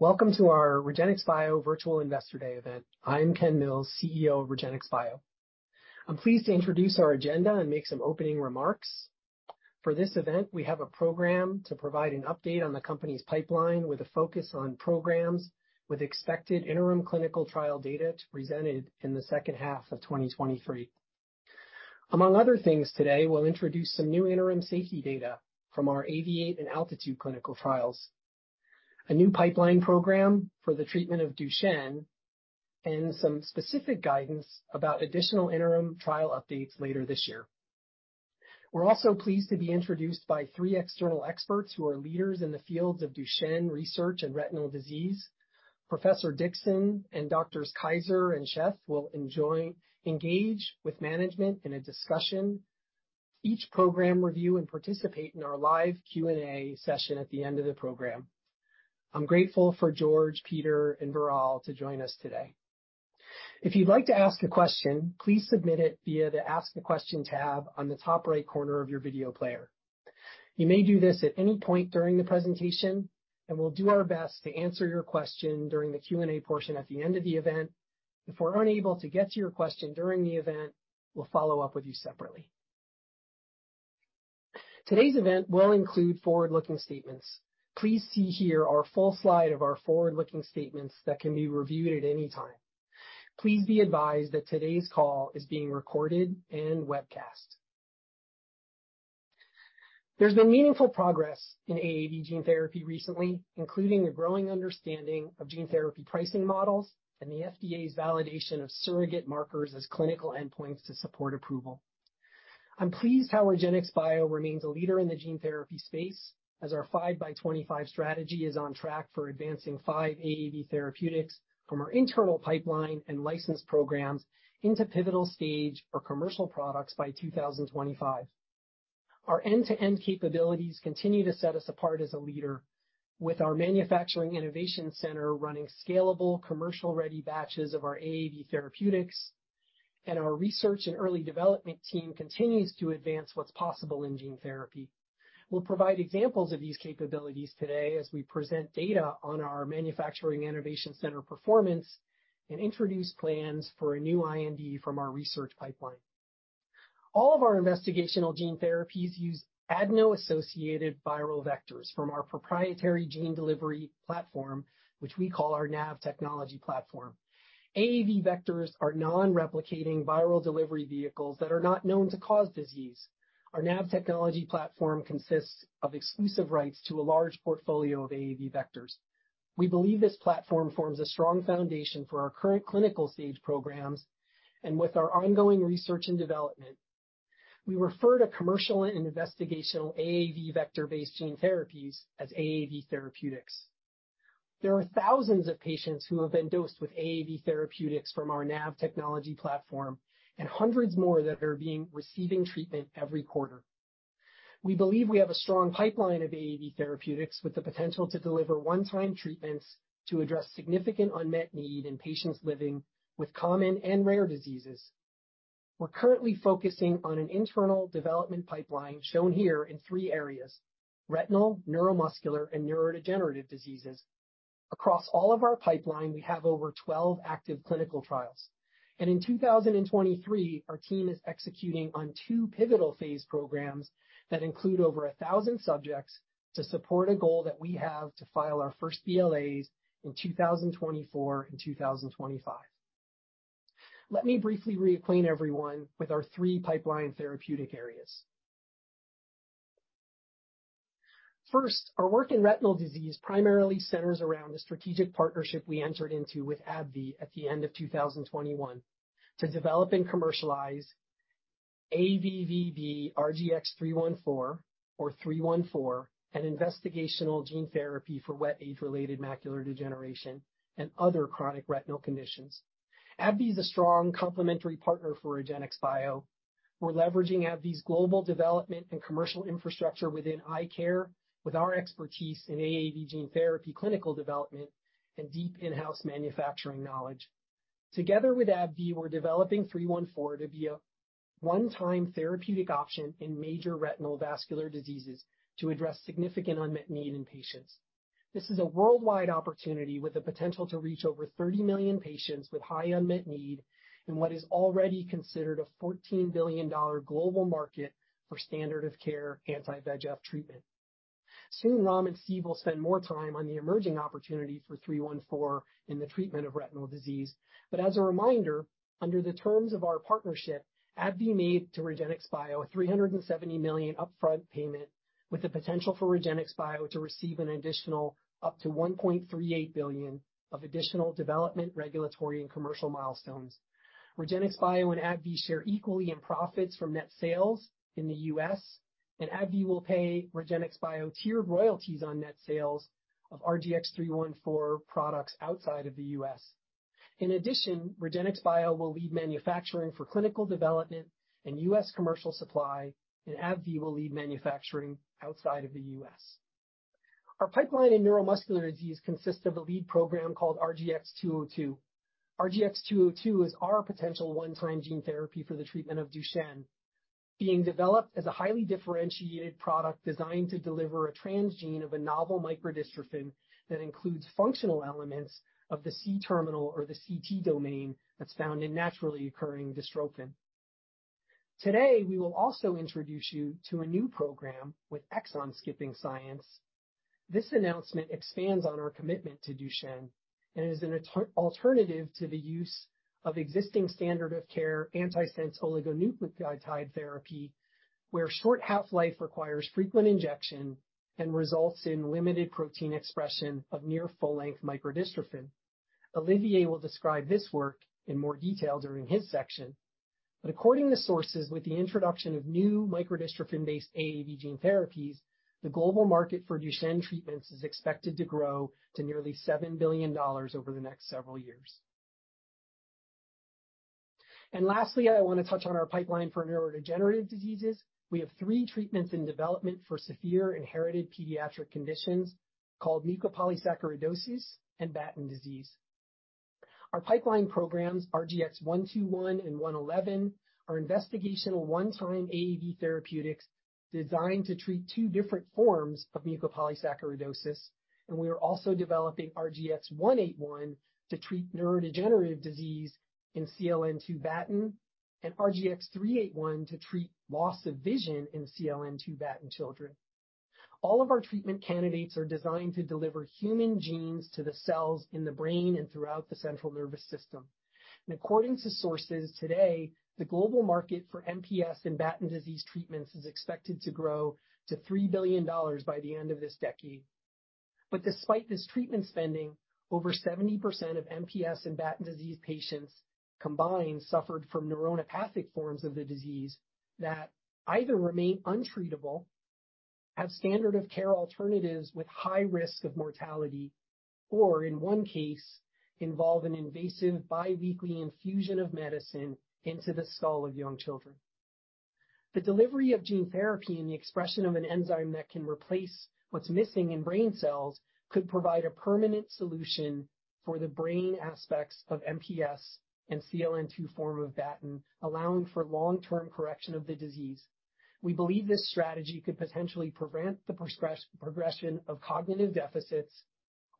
Welcome to our REGENXBIO Virtual Investor Day event. I'm Ken Mills, CEO of REGENXBIO. I'm pleased to introduce our agenda and make some opening remarks. For this event, we have a program to provide an update on the company's pipeline, with a focus on programs with expected interim clinical trial data to be presented in the second half of 2023. Among other things today, we'll introduce some new interim safety data from our AAVIATE and ALTITUDE clinical trials, a new pipeline program for the treatment of Duchenne, and some specific guidance about additional interim trial updates later this year. We're also pleased to be introduced by three external experts who are leaders in the fields of Duchenne research and retinal disease. Professor Dickson and Doctor Kaiser and Sheth will engage with management in a discussion, each program review, and participate in our live Q&A session at the end of the program. I'm grateful for George Dickson, Peter Kaiser, and Viral Shah to join us today. If you'd like to ask a question, please submit it via the Ask a Question tab on the top right corner of your video player. You may do this at any point during the presentation, and we'll do our best to answer your question during the Q&A portion at the end of the event. If we're unable to get to your question during the event, we'll follow up with you separately. Today's event will include forward-looking statements. Please see here our full slide of our forward-looking statements that can be reviewed at any time. Please be advised that today's call is being recorded and webcast. There's been meaningful progress in AAV gene therapy recently, including a growing understanding of gene therapy pricing models and the FDA's validation of surrogate markers as clinical endpoints to support approval. I'm pleased how REGENXBIO remains a leader in the gene therapy space, as our five by twenty-five strategy is on track for advancing 5 AAV therapeutics from our internal pipeline and licensed programs into pivotal stage or commercial products by 2025. Our end-to-end capabilities continue to set us apart as a leader with our manufacturing innovation center running scalable commercial ready batches of our AAV therapeutics, our research and early development team continues to advance what's possible in gene therapy. We'll provide examples of these capabilities today as we present data on our manufacturing innovation center performance and introduce plans for a new IND from our research pipeline. All of our investigational gene therapies use adeno-associated viral vectors from our proprietary gene delivery platform, which we call our NAV Technology Platform. AAV vectors are non-replicating viral delivery vehicles that are not known to cause disease. Our NAV Technology Platform consists of exclusive rights to a large portfolio of AAV vectors. We believe this platform forms a strong foundation for our current clinical stage programs and with our ongoing research and development, we refer to commercial and investigational AAV vector-based gene therapies as AAV therapeutics. There are thousands of patients who have been dosed with AAV therapeutics from our NAV Technology Platform and hundreds more that are being receiving treatment every quarter. We believe we have a strong pipeline of AAV therapeutics with the potential to deliver one-time treatments to address significant unmet need in patients living with common and rare diseases. We're currently focusing on an internal development pipeline shown here in three areas: retinal, neuromuscular, and neurodegenerative diseases. Across all of our pipeline, we have over 12 active clinical trials. In 2023, our team is executing on two pivotal phase programs that include over 1,000 subjects to support a goal that we have to file our first BLAs in 2024 and 2025. Let me briefly reacquaint everyone with our three pipeline therapeutic areas. First, our work in retinal disease primarily centers around the strategic partnership we entered into with AbbVie at the end of 2021 to develop and commercialize ABBV-RGX-314 or 314, an investigational gene therapy for wet age-related macular degeneration and other chronic retinal conditions. AbbVie is a strong complementary partner for REGENXBIO. We're leveraging AbbVie's global development and commercial infrastructure within eye care, with our expertise in AAV gene therapy, clinical development, and deep in-house manufacturing knowledge. Together with AbbVie, we're developing 314 to be a one-time therapeutic option in major retinal vascular diseases to address significant unmet need in patients. This is a worldwide opportunity with the potential to reach over 30 million patients with high unmet need in what is already considered a $14 billion global market for standard of care anti-VEGF treatment. Soon, Ram and Steve will spend more time on the emerging opportunity for 314 in the treatment of retinal disease. As a reminder, under the terms of our partnership, AbbVie made to REGENXBIO a $370 million upfront payment, with the potential for REGENXBIO to receive an additional up to $1.38 billion of additional development, regulatory, and commercial milestones. REGENXBIO and AbbVie share equally in profits from net sales in the US, and AbbVie will pay REGENXBIO tiered royalties on net sales of RGX-314 products outside of the US In addition, REGENXBIO will lead manufacturing for clinical development and US commercial supply, and AbbVie will lead manufacturing outside of the US Our pipeline in neuromuscular disease consists of a lead program called RGX-202. RGX-202 is our potential one-time gene therapy for the treatment of Duchenne. being developed as a highly differentiated product designed to deliver a transgene of a novel microdystrophin that includes functional elements of the C terminal or the CT domain that's found in naturally occurring dystrophin. Today, we will also introduce you to a new program with exon-skipping science. This announcement expands on our commitment to Duchenne and is an alternative to the use of existing standard of care antisense oligonucleotide therapy, where short half-life requires frequent injection and results in limited protein expression of near full-length microdystrophin. Olivier will describe this work in more detail during his section. According to sources, with the introduction of new microdystrophin-based AAV gene therapies, the global market for Duchenne treatments is expected to grow to nearly $7 billion over the next several years. Lastly, I want to touch on our pipeline for neurodegenerative diseases. We have three treatments in development for severe inherited pediatric conditions called mucopolysaccharidosis and Batten disease. Our pipeline programs, RGX-121 and 111, are investigational one-time AAV therapeutics designed to treat two different forms of mucopolysaccharidosis. We are also developing RGX-181 to treat neurodegenerative disease in CLN2 Batten and RGX-381 to treat loss of vision in CLN2 Batten children. All of our treatment candidates are designed to deliver human genes to the cells in the brain and throughout the central nervous system. According to sources today, the global market for MPS and Batten disease treatments is expected to grow to $3 billion by the end of this decade. Despite this treatment spending, over 70% of MPS and Batten disease patients combined suffered from neuronopathic forms of the disease that either remain untreatable, have standard of care alternatives with high risk of mortality, or in 1 case, involve an invasive biweekly infusion of medicine into the skull of young children. The delivery of gene therapy and the expression of an enzyme that can replace what's missing in brain cells could provide a permanent solution for the brain aspects of MPS and CLN2 form of Batten, allowing for long-term correction of the disease. We believe this strategy could potentially prevent the progression of cognitive deficits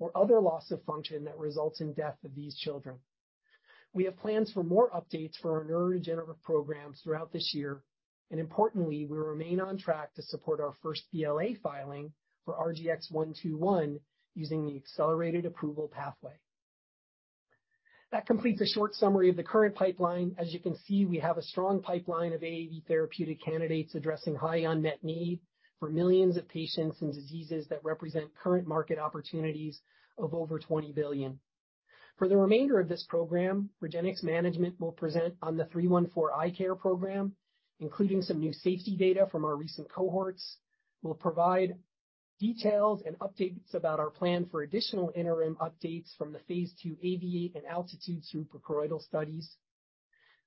or other loss of function that results in death of these children. We have plans for more updates for our neurodegenerative programs throughout this year, and importantly, we remain on track to support our first BLA filing for RGX-121 using the accelerated approval pathway. That completes a short summary of the current pipeline. As you can see, we have a strong pipeline of AAV therapeutic candidates addressing high unmet need for millions of patients and diseases that represent current market opportunities of over $20 billion. For the remainder of this program, REGENXBIO's management will present on the 314 eye care program, including some new safety data from our recent cohorts. We'll provide details and updates about our plan for additional interim updates from the phase II AAVIATE and ALTITUDE suprachoroidal studies.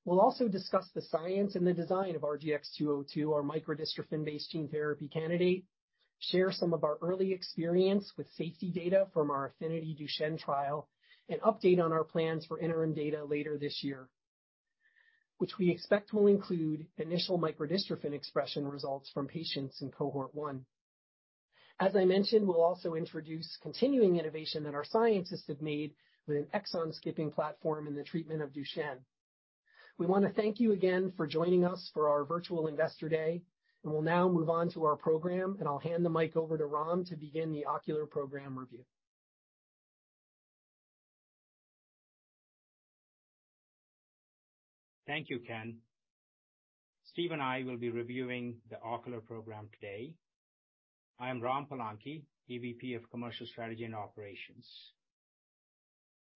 We'll also discuss the science and the design of RGX-202, our microdystrophin-based gene therapy candidate, share some of our early experience with safety data from our AFFINITY DUCHENNE trial, and update on our plans for interim data later this year, which we expect will include initial microdystrophin expression results from patients in cohort 1. As I mentioned, we'll also introduce continuing innovation that our scientists have made with an exon-skipping platform in the treatment of Duchenne. We want to thank you again for joining us for our virtual investor day, and we'll now move on to our program, and I'll hand the mic over to Ram to begin the ocular program review. Thank you, Ken. Steve and I will be reviewing the ocular program today. I am Ram Palanki, EVP of Commercial Strategy and Operations.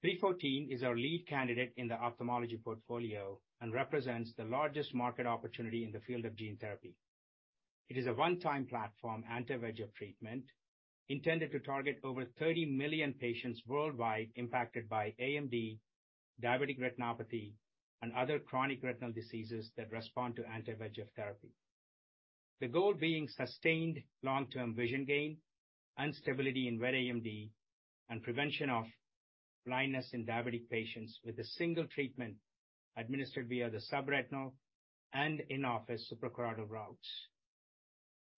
314 is our lead candidate in the ophthalmology portfolio and represents the largest market opportunity in the field of gene therapy. It is a one-time platform, anti-VEGF treatment, intended to target over 30 million patients worldwide impacted by AMD, diabetic retinopathy, and other chronic retinal diseases that respond to anti-VEGF therapy. The goal being sustained long-term vision gain and stability in wet AMD and prevention of blindness in diabetic patients with a single treatment administered via the subretinal and in-office suprachoroidal routes.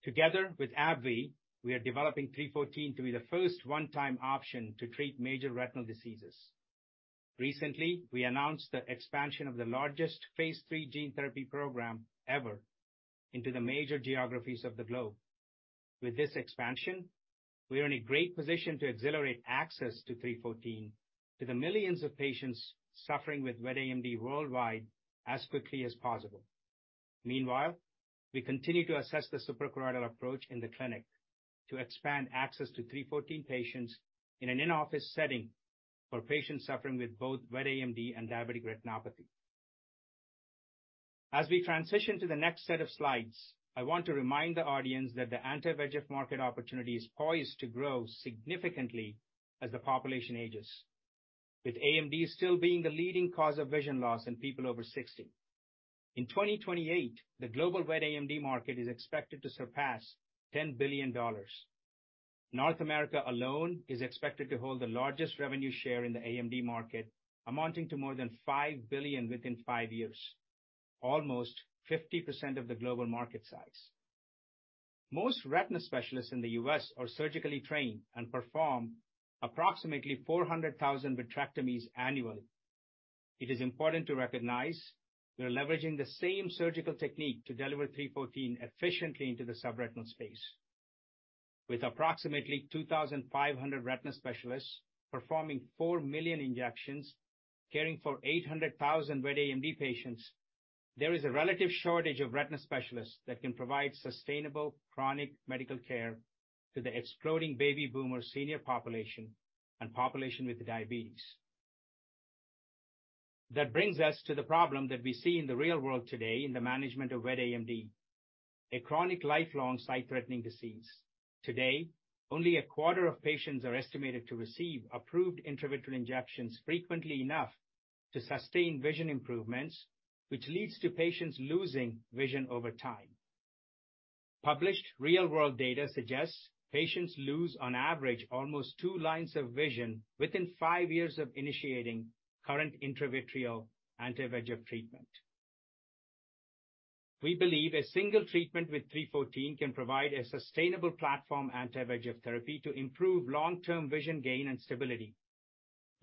Together with AbbVie, we are developing 314 to be the first one-time option to treat major retinal diseases. Recently, we announced the expansion of the largest phase 3 gene therapy program ever into the major geographies of the globe. With this expansion, we are in a great position to accelerate access to 314 to the millions of patients suffering with wet AMD worldwide as quickly as possible. Meanwhile, we continue to assess the suprachoroidal approach in the clinic to expand access to 314 patients in an in-office setting for patients suffering with both wet AMD and diabetic retinopathy. As we transition to the next set of slides, I want to remind the audience that the anti-VEGF market opportunity is poised to grow significantly as the population ages, with AMD still being the leading cause of vision loss in people over 60. In 2028, the global wet AMD market is expected to surpass $10 billion. North America alone is expected to hold the largest revenue share in the AMD market, amounting to more than $5 billion within 5 years, almost 50% of the global market size. Most retina specialists in the US are surgically trained and perform approximately 400,000 vitrectomies annually. It is important to recognize we are leveraging the same surgical technique to deliver RGX-314 efficiently into the subretinal space. With approximately 2,500 retina specialists performing 4 million injections, caring for 800,000 wet AMD patients, there is a relative shortage of retina specialists that can provide sustainable chronic medical care to the exploding baby boomer senior population and population with diabetes. Brings us to the problem that we see in the real world today in the management of wet AMD, a chronic, lifelong, sight-threatening disease. Today, only a quarter of patients are estimated to receive approved intravitreal injections frequently enough to sustain vision improvements, which leads to patients losing vision over time. Published real-world data suggests patients lose, on average, almost two lines of vision within five years of initiating current intravitreal anti-VEGF treatment. We believe a single treatment with 314 can provide a sustainable platform anti-VEGF therapy to improve long-term vision gain and stability.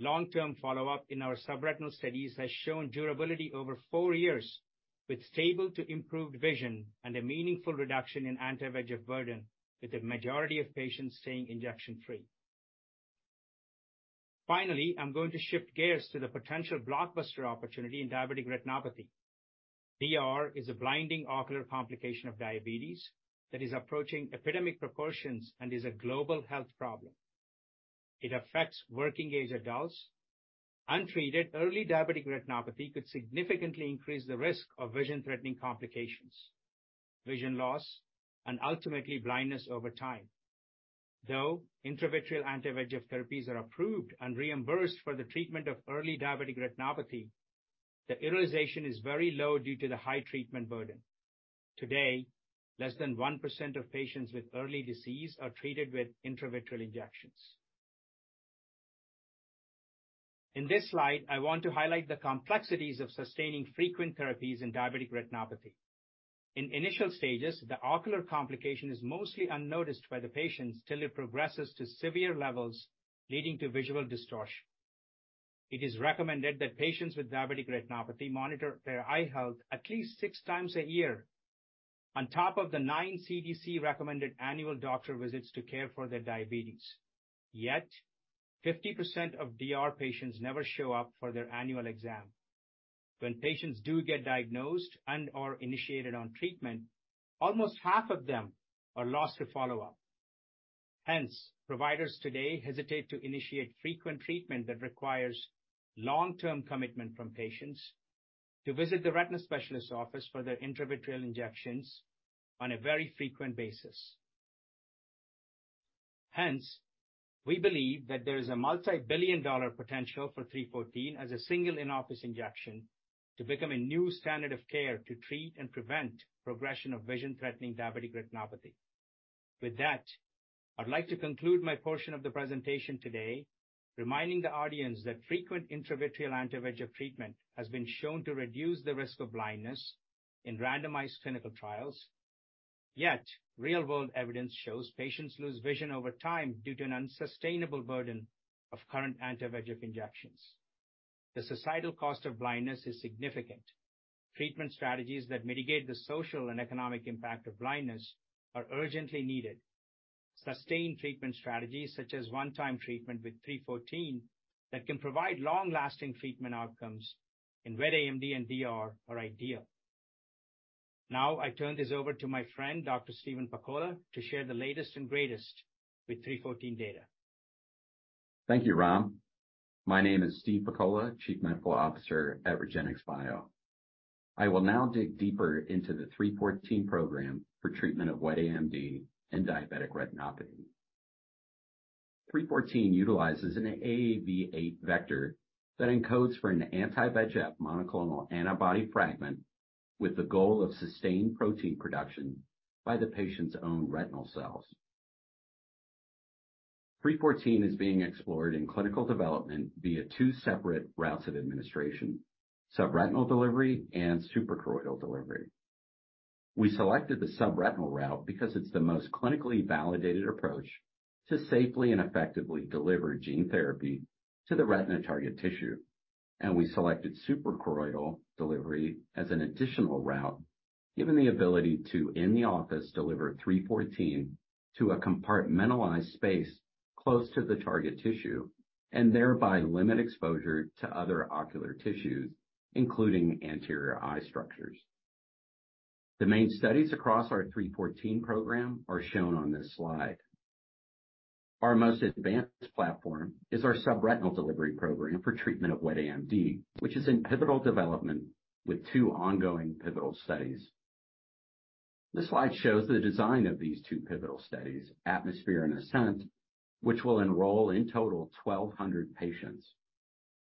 Long-term follow-up in our subretinal studies has shown durability over four years, with stable to improved vision and a meaningful reduction in anti-VEGF burden, with the majority of patients staying injection-free. Finally, I'm going to shift gears to the potential blockbuster opportunity in diabetic retinopathy. DR is a blinding ocular complication of diabetes that is approaching epidemic proportions and is a global health problem. It affects working-age adults. Untreated, early diabetic retinopathy could significantly increase the risk of vision-threatening complications, vision loss, and ultimately blindness over time. Though intravitreal anti-VEGF therapies are approved and reimbursed for the treatment of early diabetic retinopathy, the utilization is very low due to the high treatment burden. Today, less than 1% of patients with early disease are treated with intravitreal injections. In this slide, I want to highlight the complexities of sustaining frequent therapies in diabetic retinopathy. In initial stages, the ocular complication is mostly unnoticed by the patients till it progresses to severe levels, leading to visual distortion. It is recommended that patients with diabetic retinopathy monitor their eye health at least 6 times a year on top of the 9 CDC-recommended annual doctor visits to care for their diabetes. Yet, 50% of DR patients never show up for their annual exam. When patients do get diagnosed and/or initiated on treatment, almost half of them are lost to follow-up. Providers today hesitate to initiate frequent treatment that requires long-term commitment from patients to visit the retina specialist office for their intravitreal injections on a very frequent basis. We believe that there is a multi-billion dollar potential for 314 as a single in-office injection to become a new standard of care to treat and prevent progression of vision-threatening diabetic retinopathy. With that, I'd like to conclude my portion of the presentation today, reminding the audience that frequent intravitreal anti-VEGF treatment has been shown to reduce the risk of blindness in randomized clinical trials. Real-world evidence shows patients lose vision over time due to an unsustainable burden of current anti-VEGF injections. The societal cost of blindness is significant. Treatment strategies that mitigate the social and economic impact of blindness are urgently needed. Sustained treatment strategies, such as one-time treatment with 314, that can provide long-lasting treatment outcomes in wet AMD and DR are ideal. I turn this over to my friend, Dr. Steven Pakola, to share the latest and greatest with 314 data. Thank you, Ram. My name is Steve Pakola, Chief Medical Officer at REGENXBIO. I will now dig deeper into the 314 program for treatment of wet AMD and diabetic retinopathy. 314 utilizes an AAV8 vector that encodes for an anti-VEGF monoclonal antibody fragment with the goal of sustained protein production by the patient's own retinal cells. 314 is being explored in clinical development via two separate routes of administration: subretinal delivery and suprachoroidal delivery. We selected the subretinal route because it's the most clinically validated approach to safely and effectively deliver gene therapy to the retina target tissue, and we selected suprachoroidal delivery as an additional route, given the ability to, in the office, deliver 314 to a compartmentalized space close to the target tissue and thereby limit exposure to other ocular tissues, including anterior eye structures. The main studies across our 314 program are shown on this slide. Our most advanced platform is our subretinal delivery program for treatment of wet AMD, which is in pivotal development with two ongoing pivotal studies. This slide shows the design of these two pivotal studies, ATMOSPHERE and ASCENT, which will enroll, in total, 1,200 patients.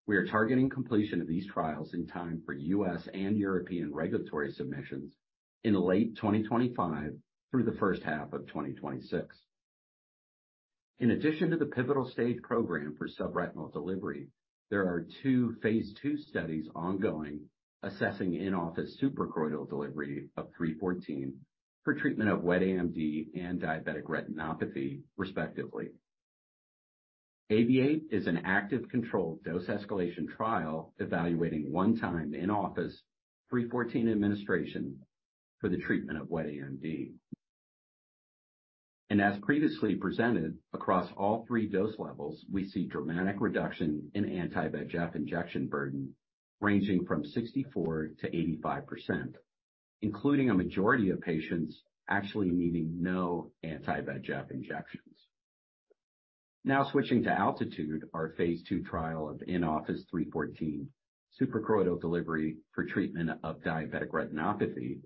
We are targeting completion of these trials in time for US and European regulatory submissions in late 2025 through the first half of 2026. In addition to the pivotal stage program for subretinal delivery, there are two phase II studies ongoing, assessing in-office suprachoroidal delivery of 314 for treatment of wet AMD and diabetic retinopathy, respectively. AAVIATE is an active controlled dose escalation trial evaluating one time in-office 314 administration for the treatment of wet AMD. As previously presented, across all 3 dose levels, we see dramatic reduction in anti-VEGF injection burden, ranging from 64%-85%, including a majority of patients actually needing no anti-VEGF injections. Switching to ALTITUDE, our phase II trial of in-office 314 suprachoroidal delivery for treatment of diabetic retinopathy.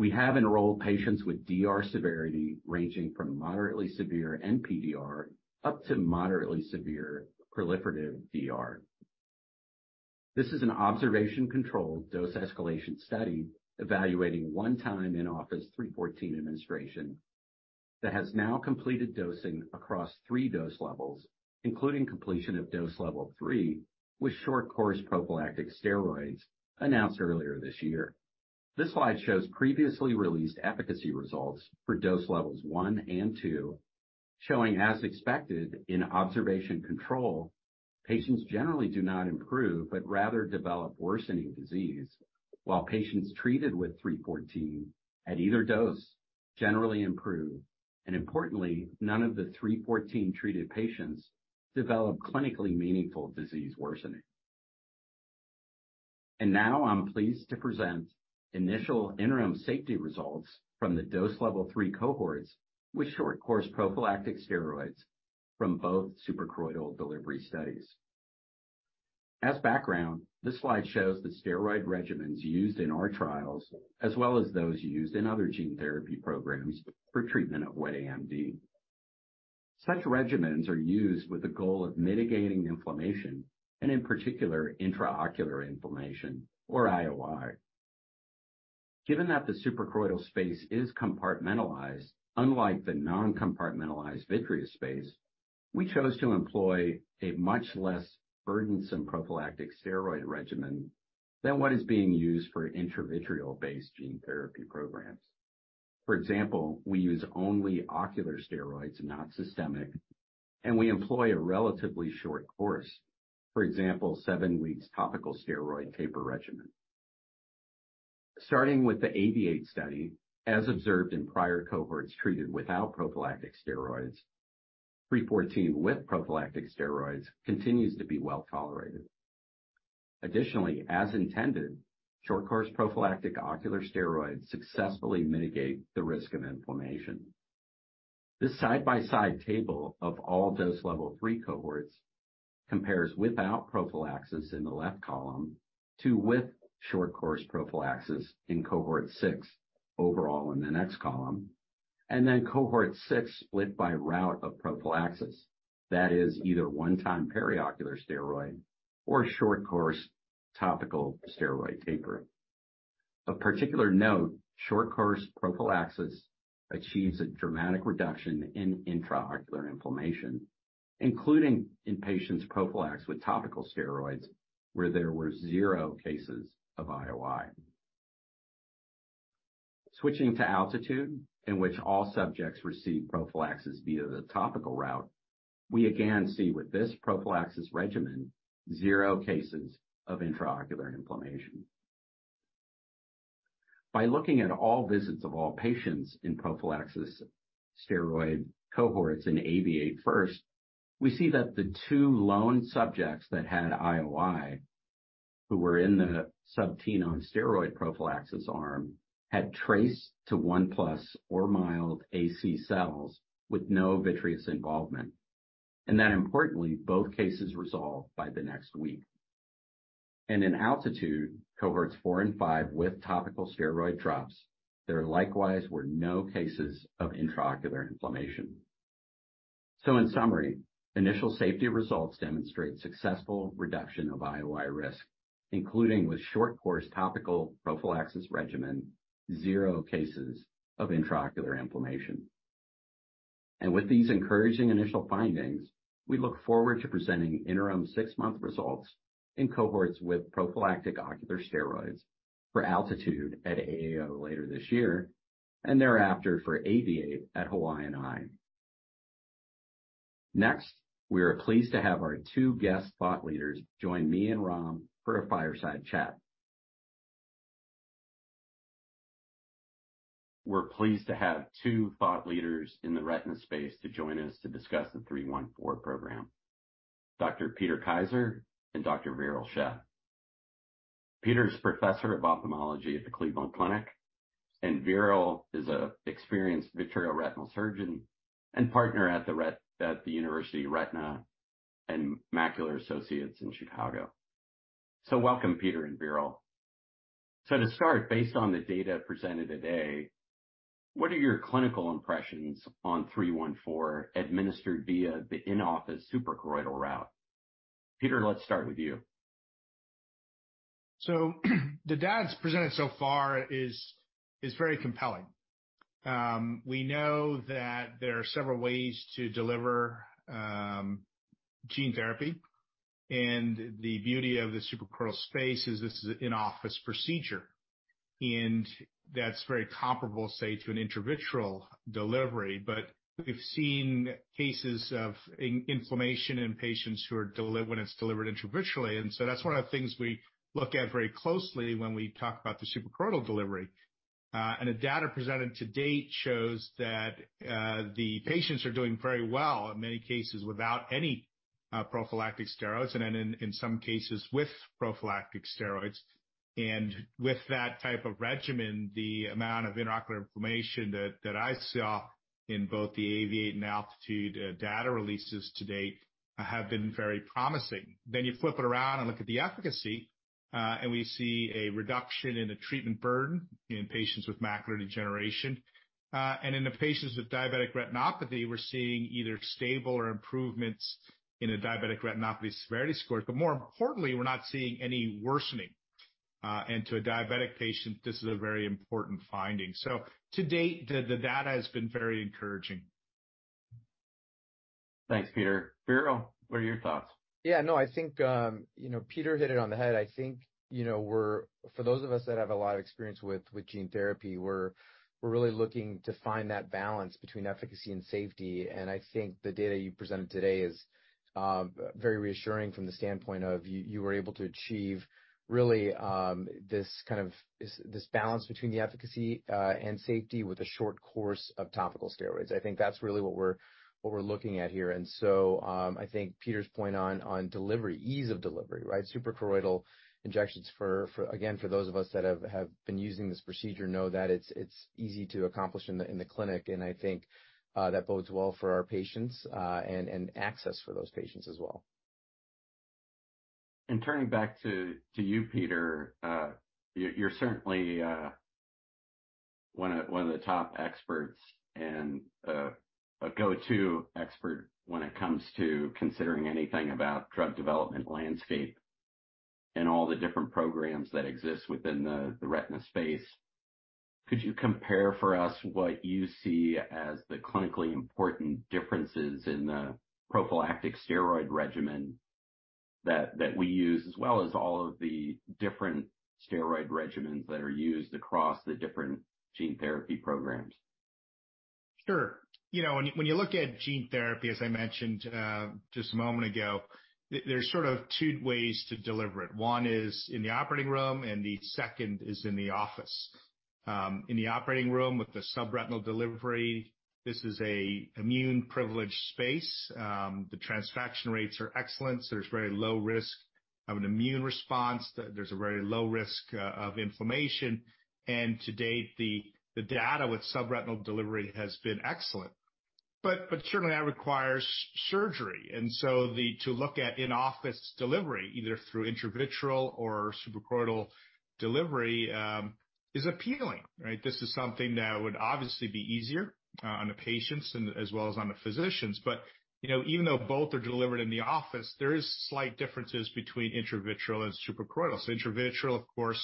We have enrolled patients with DR severity ranging from moderately severe NPDR up to moderately severe proliferative DR. This is an observation-controlled dose escalation study evaluating one-time in-office 314 administration, that has now completed dosing across 3 dose levels, including completion of dose level 3, with short course prophylactic steroids announced earlier this year. This slide shows previously released efficacy results for dose levels 1 and 2, showing, as expected, in observation control, patients generally do not improve, but rather develop worsening disease, while patients treated with 314 at either dose generally improve. Importantly, none of the 314-treated patients develop clinically meaningful disease worsening. Now I'm pleased to present initial interim safety results from the dose level 3 cohorts with short-course prophylactic steroids from both suprachoroidal delivery studies. As background, this slide shows the steroid regimens used in our trials, as well as those used in other gene therapy programs for treatment of wet AMD. Such regimens are used with the goal of mitigating inflammation and in particular, intraocular inflammation or IOI. Given that the suprachoroidal space is compartmentalized, unlike the non-compartmentalized vitreous space, we chose to employ a much less burdensome prophylactic steroid regimen than what is being used for intravitreal-based gene therapy programs. For example, we use only ocular steroids, not systemic, and we employ a relatively short course. For example, 7 weeks topical steroid taper regimen. Starting with the AAVIATE study, as observed in prior cohorts treated without prophylactic steroids, 314 with prophylactic steroids continues to be well tolerated. As intended, short-course prophylactic ocular steroids successfully mitigate the risk of inflammation. This side-by-side table of all dose level 3 cohorts compares without prophylaxis in the left column to with short course prophylaxis in cohort 6 overall in the next column, cohort 6 split by route of prophylaxis. That is either one-time periocular steroid or short-course topical steroid tapering. Of particular note, short-course prophylaxis achieves a dramatic reduction in intraocular inflammation, including in patients prophylaxed with topical steroids, where there were 0 cases of IOI. Switching to ALTITUDE, in which all subjects received prophylaxis via the topical route, we again see with this prophylaxis regimen, 0 cases of intraocular inflammation. By looking at all visits of all patients in prophylaxis steroid cohorts in AAVIATE first, we see that the two lone subjects that had IOI, who were in the sub-Tenon's steroid prophylaxis arm, had traced to 1 plus or mild AC cells with no vitreous involvement. Importantly, both cases resolved by the next week. In ALTITUDE, cohorts four and five with topical steroid drops, there likewise were no cases of intraocular inflammation. In summary, initial safety results demonstrate successful reduction of IOI risk, including with short-course topical prophylaxis regimen, 0 cases of intraocular inflammation. With these encouraging initial findings, we look forward to presenting interim 6-month results in cohorts with prophylactic ocular steroids for ALTITUDE at AAO later this year and thereafter for AAVIATE at Hawaiian Eye. We are pleased to have our 2 guest thought leaders join me and Ram for a fireside chat. We're pleased to have 2 thought leaders in the retina space to join us to discuss the 314 program, Dr. Peter Kaiser and Dr. Viral Shah. Peter is professor of Ophthalmology at the Cleveland Clinic, and Viral is an experienced vitreoretinal surgeon and partner at the University Retina and Macular Associates in Chicago. Welcome, Peter and Viral. To start, based on the data presented today, what are your clinical impressions on 314, administered via the in-office suprachoroidal route? Peter, let's start with you. The data presented so far is very compelling. We know that there are several ways to deliver gene therapy, and the beauty of the suprachoroidal space is this is an in-office procedure, and that's very comparable, say, to an intravitreal delivery. We've seen cases of inflammation in patients who are when it's delivered intravitreally, and so that's one of the things we look at very closely when we talk about the suprachoroidal delivery. The data presented to date shows that the patients are doing very well in many cases without any prophylactic steroids and then in some cases, with prophylactic steroids. With that type of regimen, the amount of intraocular inflammation that I saw in both the AAVIATE and ALTITUDE data releases to date, have been very promising. You flip it around and look at the efficacy, and we see a reduction in the treatment burden in patients with macular degeneration. In the patients with diabetic retinopathy, we're seeing either stable or improvements in the diabetic retinopathy severity scores, but more importantly, we're not seeing any worsening. To a diabetic patient, this is a very important finding. To date, the data has been very encouraging. Thanks, Peter. Viral, what are your thoughts? Yeah, no, I think, you know, Peter hit it on the head. I think, you know, for those of us that have a lot of experience with gene therapy, we're really looking to find that balance between efficacy and safety. I think the data you presented today is very reassuring from the standpoint of you were able to achieve really this kind of, this balance between the efficacy and safety with a short course of topical steroids. I think that's really what we're looking at here. I think Peter's point on delivery, ease of delivery, right? Suprachoroidal injections for again, for those of us that have been using this procedure know that it's easy to accomplish in the clinic, and I think that bodes well for our patients and access for those patients as well. Turning back to you, Peter, you're certainly one of the top experts and a go-to expert when it comes to considering anything about drug development landscape and all the different programs that exist within the retina space. Could you compare for us what you see as the clinically important differences in the prophylactic steroid regimen that we use, as well as all of the different steroid regimens that are used across the different gene therapy programs? Sure. You know, when you look at gene therapy, as I mentioned just a moment ago, there's sort of two ways to deliver it. One is in the operating room, and the second is in the office. In the operating room with the subretinal delivery, this is a immune-privileged space. The transfection rates are excellent, so there's very low risk of an immune response. There's a very low risk of inflammation, and to date, the data with subretinal delivery has been excellent. Certainly, that requires surgery, so to look at in-office delivery, either through intravitreal or suprachoroidal delivery, is appealing, right? This is something that would obviously be easier on the patients and as well as on the physicians. You know, even though both are delivered in the office, there is slight differences between intravitreal and suprachoroidal. Intravitreal, of course,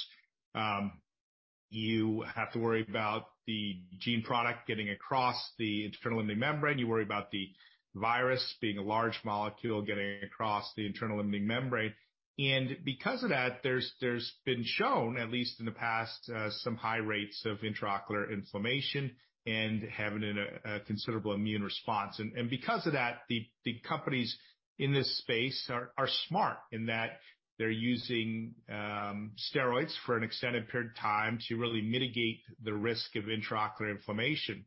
you have to worry about the gene product getting across the internal limiting membrane. You worry about the virus being a large molecule, getting across the internal limiting membrane. Because of that, there's been shown, at least in the past, some high rates of intraocular inflammation and having a considerable immune response. Because of that, the companies in this space are smart in that they're using steroids for an extended period of time to really mitigate the risk of intraocular inflammation,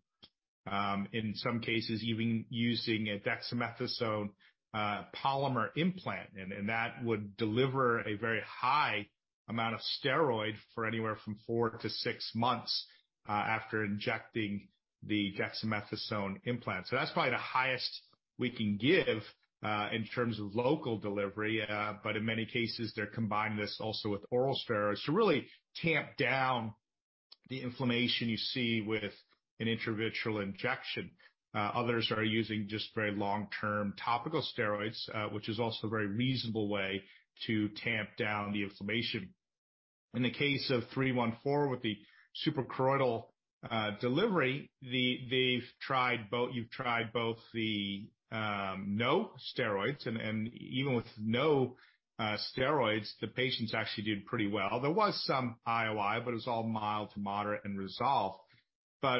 in some cases, even using a dexamethasone polymer implant. That would deliver a very high amount of steroid for anywhere from 4-6 months after injecting the dexamethasone implant. That's probably the highest we can give in terms of local delivery, but in many cases, they're combining this also with oral steroids to really tamp down the inflammation you see with an intravitreal injection. Others are using just very long-term topical steroids, which is also a very reasonable way to tamp down the inflammation. In the case of 314, with the suprachoroidal delivery, you've tried both the no steroids, and even with no steroids, the patients actually did pretty well. There was some IOI, but it was all mild to moderate and resolved.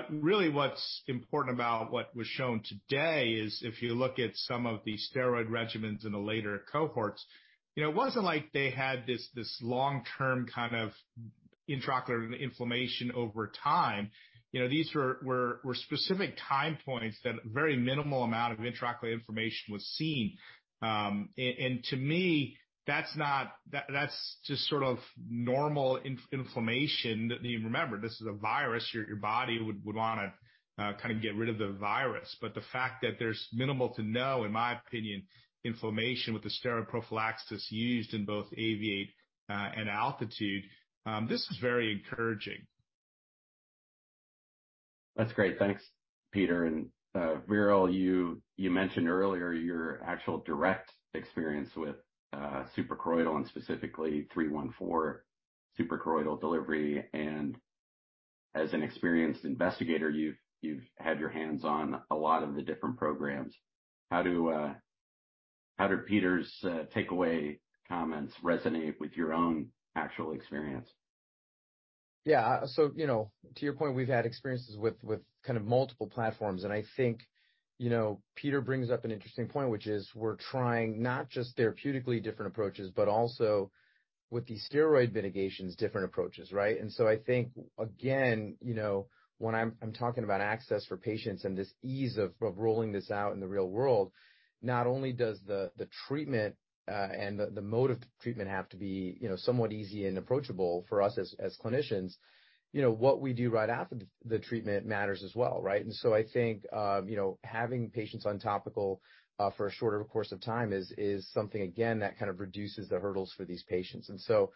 Really, what's important about what was shown today is if you look at some of the steroid regimens in the later cohorts, you know, it wasn't like they had this long-term kind of intraocular inflammation over time. You know, these were specific time points that very minimal amount of intraocular inflammation was seen. And to me, that's just sort of normal inflammation. You remember, this is a virus. Your body would wanna kind of get rid of the virus. The fact that there's minimal to no, in my opinion, inflammation with the steroid prophylaxis used in both AAVIATE and ALTITUDE, this is very encouraging. That's great. Thanks, Peter. Viral, you mentioned earlier your actual direct experience with suprachoroidal, and specifically 314 suprachoroidal delivery. As an experienced investigator, you've had your hands on a lot of the different programs. How do Peter's takeaway comments resonate with your own actual experience? Yeah, you know, to your point, we've had experiences with kind of multiple platforms. I think, you know, Peter Kaiser brings up an interesting point, which is we're trying not just therapeutically different approaches, but also with these steroid mitigations, different approaches, right? I think, again, you know, when I'm talking about access for patients and this ease of rolling this out in the real world, not only does the treatment and the mode of treatment have to be, you know, somewhat easy and approachable for us as clinicians, you know, what we do right after the treatment matters as well, right? I think, you know, having patients on topical for a shorter course of time is something, again, that kind of reduces the hurdles for these patients. You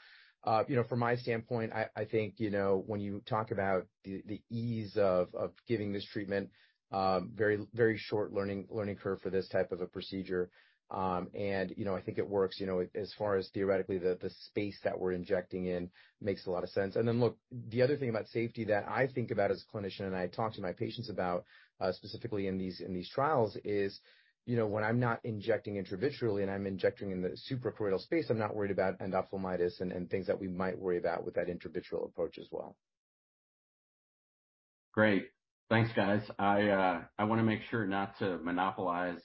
know, from my standpoint, I think, you know, when you talk about the ease of giving this treatment, very short learning curve for this type of a procedure. You know, I think it works, you know, as far as theoretically, the space that we're injecting in makes a lot of sense. Look, the other thing about safety that I think about as a clinician and I talk to my patients about, specifically in these, in these trials, is, you know, when I'm not injecting intravitrally, and I'm injecting in the suprachoroidal space, I'm not worried about endophthalmitis and things that we might worry about with that intravitreal approach as well. Great. Thanks, guys. I want to make sure not to monopolize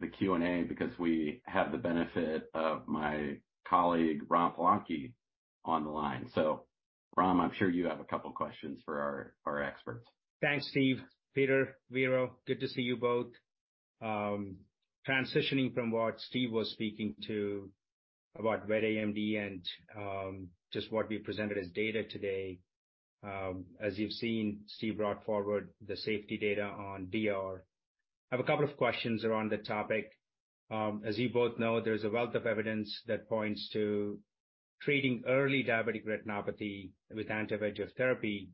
the Q&A because we have the benefit of my colleague, Ram Palanki, on the line. Ram, I'm sure you have a couple questions for our experts. Thanks, Steve. Peter, Viral, good to see you both. Transitioning from what Steve was speaking to about wet AMD and just what we presented as data today. As you've seen, Steve brought forward the safety data on DR. I have a couple of questions around the topic. As you both know, there's a wealth of evidence that points to treating early diabetic retinopathy with anti-VEGF therapy,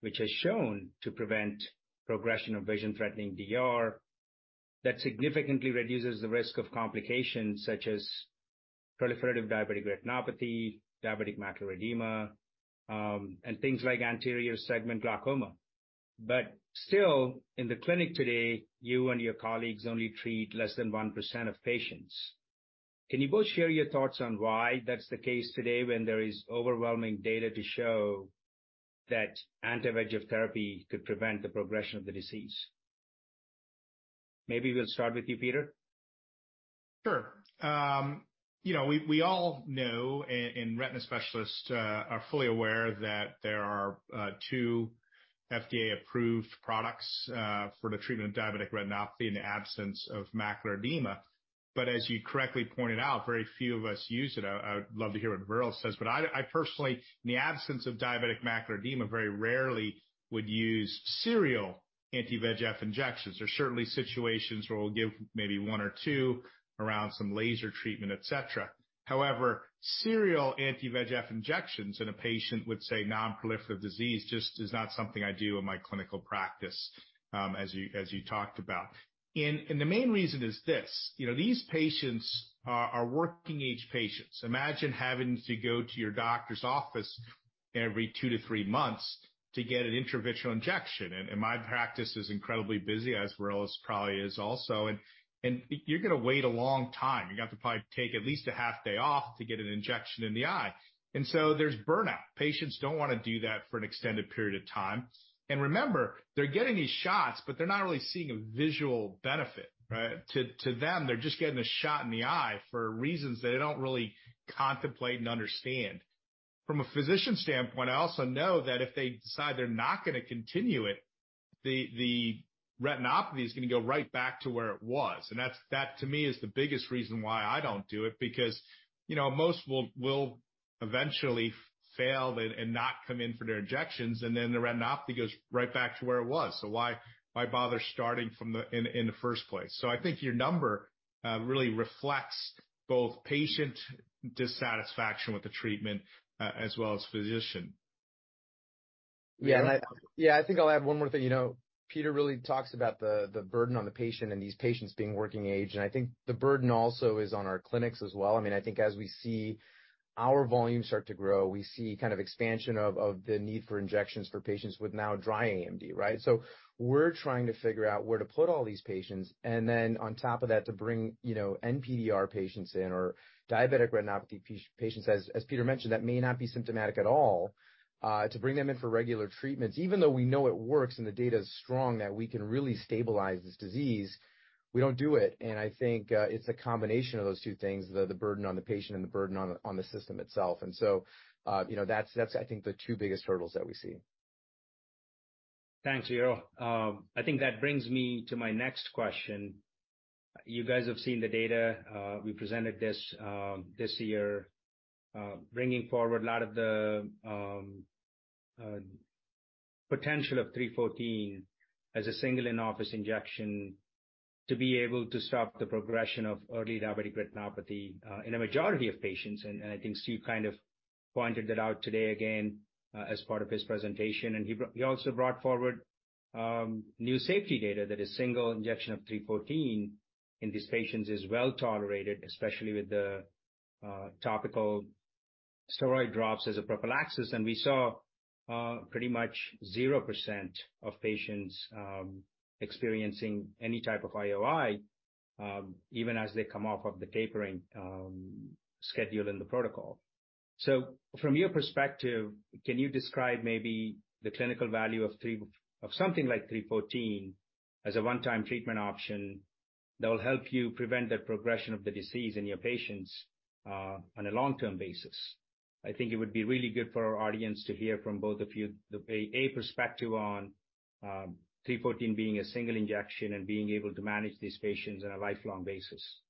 which has shown to prevent progression of vision-threatening DR, that significantly reduces the risk of complications such as proliferative diabetic retinopathy, diabetic macular edema, and things like anterior segment glaucoma. Still, in the clinic today, you and your colleagues only treat less than 1% of patients. Can you both share your thoughts on why that's the case today, when there is overwhelming data to show that anti-VEGF therapy could prevent the progression of the disease? Maybe we'll start with you, Peter. Sure. You know, we all know, and retina specialists are fully aware that there are two FDA-approved products for the treatment of diabetic retinopathy in the absence of macular edema. As you correctly pointed out, very few of us use it. I would love to hear what Viral says, but I personally, in the absence of diabetic macular edema, very rarely would use serial anti-VEGF injections. There are certainly situations where we'll give maybe one or two around some laser treatment, et cetera. However, serial anti-VEGF injections in a patient with, say, non-proliferative disease, just is not something I do in my clinical practice, as you, as you talked about. The main reason is this: you know, these patients are working-age patients. Imagine having to go to your doctor's office every 2 to 3 months to get an intravitreal injection. My practice is incredibly busy, as Viral's probably is also, you're going to wait a long time. You're going to have to probably take at least a half day off to get an injection in the eye. There's burnout. Patients don't want to do that for an extended period of time. Remember, they're getting these shots, but they're not really seeing a visual benefit, right? To them, they're just getting a shot in the eye for reasons that they don't really contemplate and understand. From a physician standpoint, I also know that if they decide they're not going to continue it, the retinopathy is going to go right back to where it was. That, to me, is the biggest reason why I don't do it, because, you know, most will eventually fail and not come in for their injections, and then the retinopathy goes right back to where it was. Why, why bother starting from the in the first place? I think your number really reflects both patient dissatisfaction with the treatment as well as physician. I think I'll add one more thing. You know, Peter really talks about the burden on the patient and these patients being working age. I think the burden also is on our clinics as well. I mean, I think as we see our volume start to grow, we see kind of expansion of the need for injections for patients with now dry AMD, right? We're trying to figure out where to put all these patients. On top of that, to bring, you know, NPDR patients in or diabetic retinopathy patients, as Peter mentioned, that may not be symptomatic at all, to bring them in for regular treatments. Even though we know it works and the data is strong that we can really stabilize this disease, we don't do it. I think, it's a combination of those two things, the burden on the patient and the burden on the system itself. So, you know, that's, I think, the two biggest hurdles that we see. Thanks, Viral. I think that brings me to my next question. You guys have seen the data. We presented this this year, bringing forward a lot of the potential of 314 as a single in-office injection. To be able to stop the progression of early diabetic retinopathy in a majority of patients. I think Steve kind of pointed it out today again as part of his presentation, he also brought forward new safety data. That a single injection of 314 in these patients is well tolerated, especially with the topical steroid drops as a prophylaxis. We saw pretty much 0% of patients experiencing any type of IOI even as they come off of the tapering schedule in the protocol. From your perspective, can you describe maybe the clinical value of something like 314 as a one-time treatment option that will help you prevent the progression of the disease in your patients on a long-term basis? I think it would be really good for our audience to hear from both of you, the perspective on 314 being a single injection and being able to manage these patients on a lifelong basis.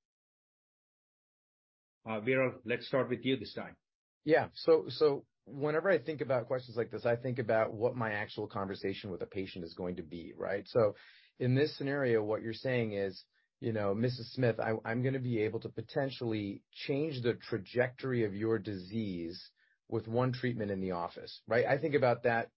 Viral, let's start with you this time. Whenever I think about questions like this, I think about what my actual conversation with a patient is going to be, right? In this scenario, what you're saying is, you know, "Mrs. Smith, I'm gonna be able to potentially change the trajectory of your disease with one treatment in the office," right? I think about that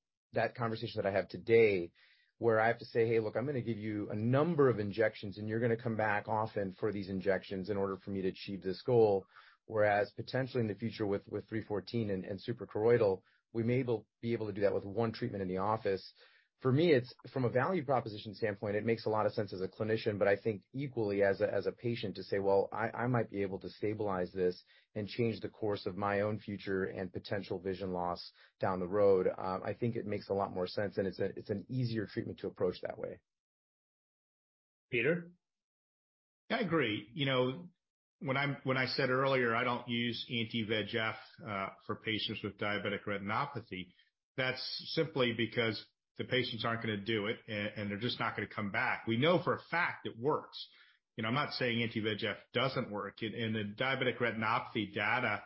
conversation that I have today, where I have to say, "Hey, look, I'm gonna give you a number of injections, and you're gonna come back often for these injections in order for me to achieve this goal." Whereas potentially in the future with 314 and suprachoroidal, we may be able to do that with one treatment in the office. For me, it's from a value proposition standpoint, it makes a lot of sense as a clinician, but I think equally as a patient to say, "Well, I might be able to stabilize this and change the course of my own future and potential vision loss down the road." I think it makes a lot more sense, and it's an easier treatment to approach that way. Peter? I agree. You know, when I, when I said earlier, I don't use anti-VEGF for patients with diabetic retinopathy, that's simply because the patients aren't gonna do it and they're just not gonna come back. We know for a fact it works. You know, I'm not saying anti-VEGF doesn't work. In the diabetic retinopathy data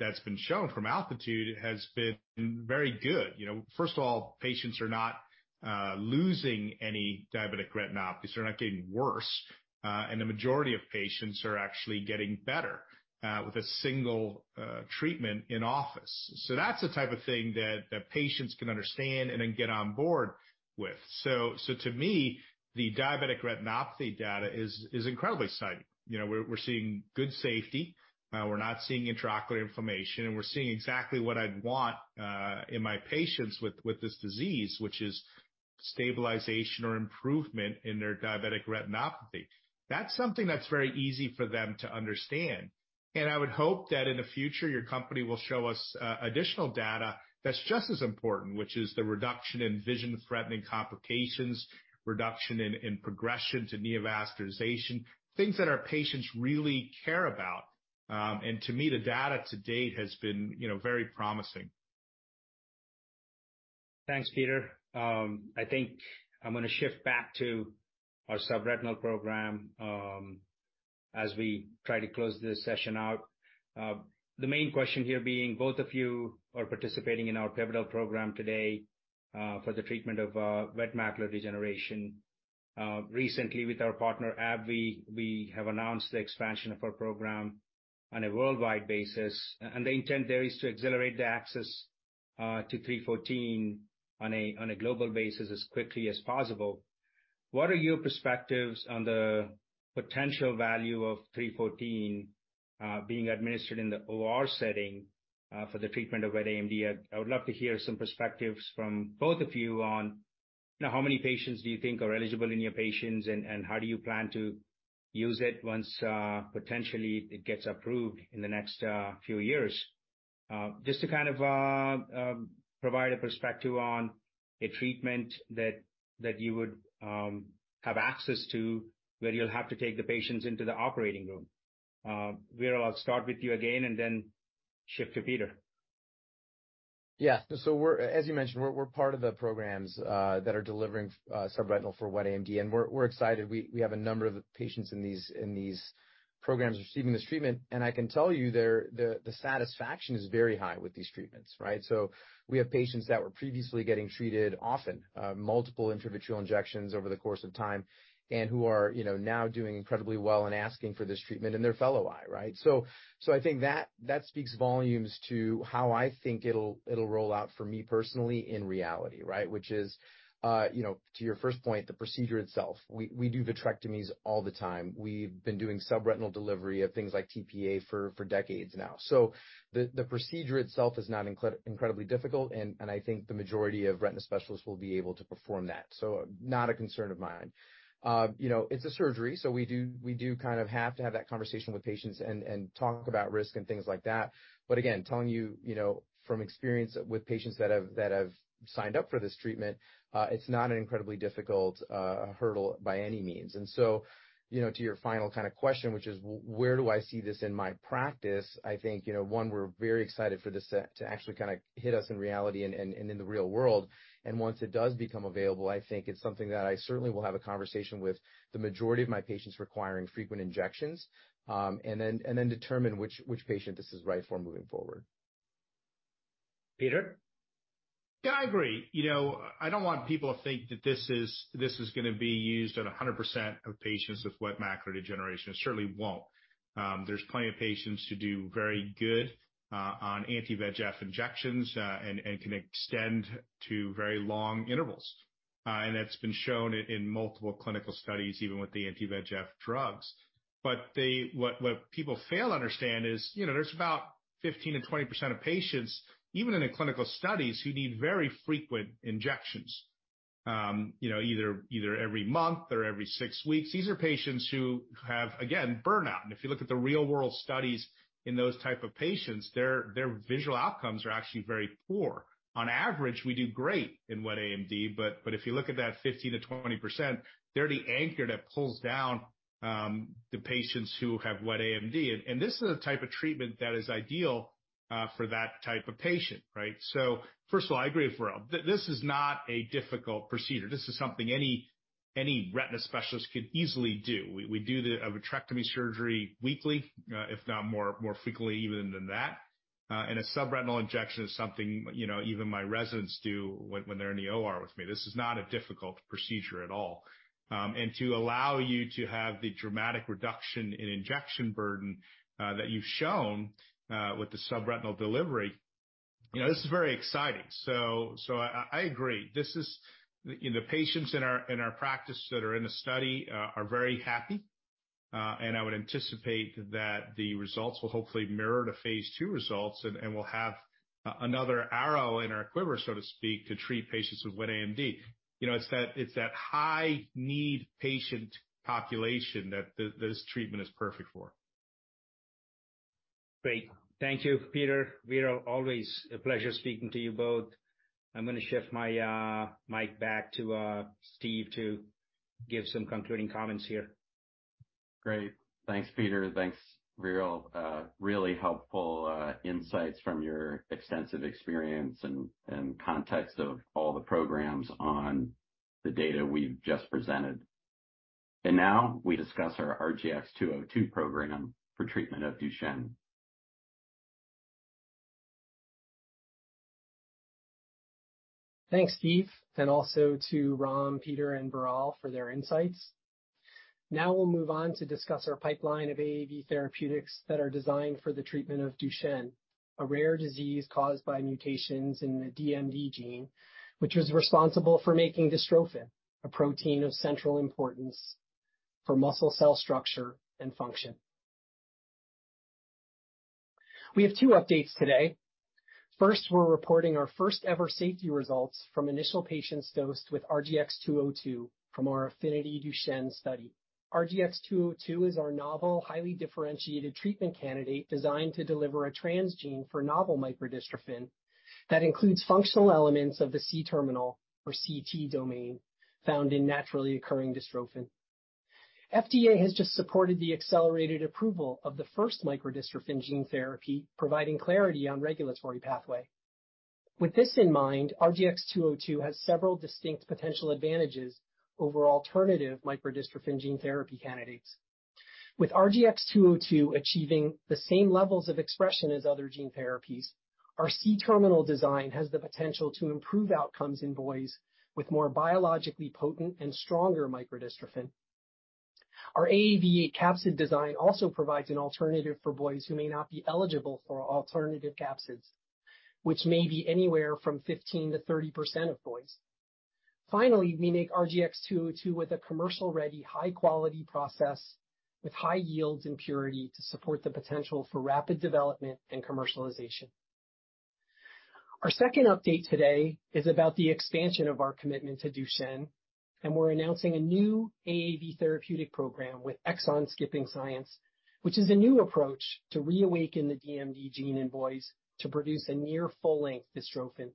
that's been shown from ALTITUDE has been very good. You know, first of all, patients are not losing any diabetic retinopathy. They're not getting worse, and the majority of patients are actually getting better with a single treatment in office. That's the type of thing that patients can understand and then get on board with. To me, the diabetic retinopathy data is incredibly exciting. You know, we're seeing good safety. We're not seeing intraocular inflammation. We're seeing exactly what I'd want in my patients with this disease, which is stabilization or improvement in their diabetic retinopathy. That's something that's very easy for them to understand. I would hope that in the future, your company will show us additional data that's just as important, which is the reduction in vision-threatening complications, reduction in progression to neovascularization, things that our patients really care about. To me, the data to date has been, you know, very promising. Thanks, Peter. I think I'm gonna shift back to our subretinal program, as we try to close this session out. The main question here being, both of you are participating in our pivotal program today, for the treatment of wet macular degeneration. Recently, with our partner, AbbVie, we have announced the expansion of our program on a worldwide basis, and the intent there is to accelerate the access to 314 on a global basis as quickly as possible. What are your perspectives on the potential value of 314 being administered in the OR setting, for the treatment of wet AMD? I would love to hear some perspectives from both of you on, you know, how many patients do you think are eligible in your patients, and how do you plan to use it once, potentially it gets approved in the next few years? Just to kind of provide a perspective on a treatment that you would have access to, where you'll have to take the patients into the operating room. Viral, I'll start with you again and then shift to Peter. As you mentioned, we're part of the programs that are delivering subretinal for wet AMD, and we're excited. We have a number of patients in these programs receiving this treatment, and I can tell you the satisfaction is very high with these treatments, right? We have patients that were previously getting treated often, multiple intravitreal injections over the course of time, and who are, you know, now doing incredibly well and asking for this treatment in their fellow eye, right? I think that speaks volumes to how I think it'll roll out for me personally in reality, right? Which is, you know, to your first point, the procedure itself. We do vitrectomies all the time. We've been doing subretinal delivery of things like TPA for decades now. The procedure itself is not incredibly difficult, and I think the majority of retina specialists will be able to perform that, so not a concern of mine. You know, it's a surgery, so we do kind of have to have that conversation with patients and talk about risk and things like that. Again, telling you know, from experience with patients that have signed up for this treatment, it's not an incredibly difficult hurdle by any means. You know, to your final kind of question, which is where do I see this in my practice? I think, you know, one, we're very excited for this to actually kind of hit us in reality and in the real world. Once it does become available, I think it's something that I certainly will have a conversation with the majority of my patients requiring frequent injections. Determine which patient this is right for moving forward.... Peter? I agree. You know, I don't want people to think that this is, this is gonna be used on 100% of patients with wet macular degeneration. It certainly won't. There's plenty of patients who do very good on anti-VEGF injections, and can extend to very long intervals. That's been shown in multiple clinical studies, even with the anti-VEGF drugs. What people fail to understand is, you know, there's about 15%-20% of patients, even in the clinical studies, who need very frequent injections, you know, either every month or every 6 weeks. These are patients who have, again, burnout. If you look at the real-world studies in those type of patients, their visual outcomes are actually very poor. On average, we do great in wet AMD, but if you look at that 15%-20%, they're the anchor that pulls down the patients who have wet AMD. This is a type of treatment that is ideal for that type of patient, right? First of all, I agree with Viral. This is not a difficult procedure. This is something any retina specialist can easily do. We do the vitrectomy surgery weekly, if not more frequently even than that. A subretinal injection is something, you know, even my residents do when they're in the OR with me. This is not a difficult procedure at all. To allow you to have the dramatic reduction in injection burden that you've shown with the subretinal delivery, you know, this is very exciting. I agree. This is. In the patients in our practice that are in the study, are very happy, I would anticipate that the results will hopefully mirror the Phase II results, we'll have another arrow in our quiver, so to speak, to treat patients with wet AMD. You know, it's that, it's that high-need patient population that this treatment is perfect for. Great. Thank you, Peter. Viral, always a pleasure speaking to you both. I'm gonna shift my mic back to Steve to give some concluding comments here. Great. Thanks, Peter. Thanks, Viral. really helpful insights from your extensive experience and context of all the programs on the data we've just presented. Now we discuss our RGX-202 program for treatment of Duchenne. Thanks, Steve, and also to Ram, Peter, and Viral for their insights. Now we'll move on to discuss our pipeline of AAV therapeutics that are designed for the treatment of Duchenne, a rare disease caused by mutations in the DMD gene, which is responsible for making dystrophin, a protein of central importance for muscle cell structure and function. We have two updates today. First, we're reporting our first-ever safety results from initial patients dosed with RGX-202 from our AFFINITY DUCHENNE study. RGX-202 is our novel, highly differentiated treatment candidate, designed to deliver a transgene for novel microdystrophin that includes functional elements of the C-terminal or CT domain found in naturally occurring dystrophin. FDA has just supported the accelerated approval of the first microdystrophin gene therapy, providing clarity on regulatory pathway. With this in mind, RGX-202 has several distinct potential advantages over alternative microdystrophin gene therapy candidates. With RGX-202 achieving the same levels of expression as other gene therapies, our C-terminal design has the potential to improve outcomes in boys with more biologically potent and stronger microdystrophin. Our AAV8 capsid design also provides an alternative for boys who may not be eligible for alternative capsids, which may be anywhere from 15% to 30% of boys. Finally, we make RGX-202 with a commercial-ready, high-quality process with high yields and purity to support the potential for rapid development and commercialization. Our second update today is about the expansion of our commitment to Duchenne. We're announcing a new AAV therapeutic program with exon-skipping science, which is a new approach to reawaken the DMD gene in boys to produce a near full-length dystrophin.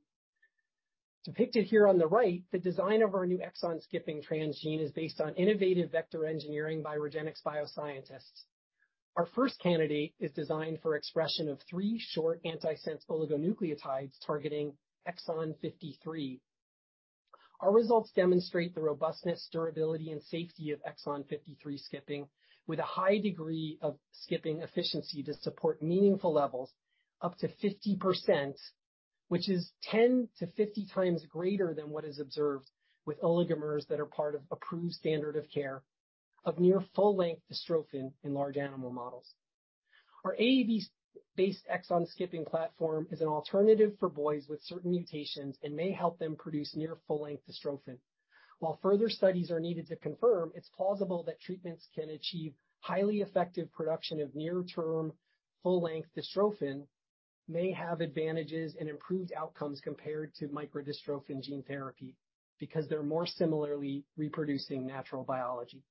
Depicted here on the right, the design of our new exon-skipping transgene is based on innovative vector engineering by REGENXBIO bioscientists. Our first candidate is designed for expression of three short antisense oligonucleotides targeting exon 53. Our results demonstrate the robustness, durability, and safety of exon 53 skipping with a high degree of skipping efficiency to support meaningful levels up to 50%, which is 10 to 50 times greater than what is observed with oligomers that are part of approved standard of care of near full-length dystrophin in large animal models. Our AAVs-based exon-skipping platform is an alternative for boys with certain mutations and may help them produce near full-length dystrophin. While further studies are needed to confirm, it's plausible that treatments can achieve highly effective production of near-term, full-length dystrophin may have advantages and improved outcomes compared to microdystrophin gene therapy because they're more similarly reproducing natural biology.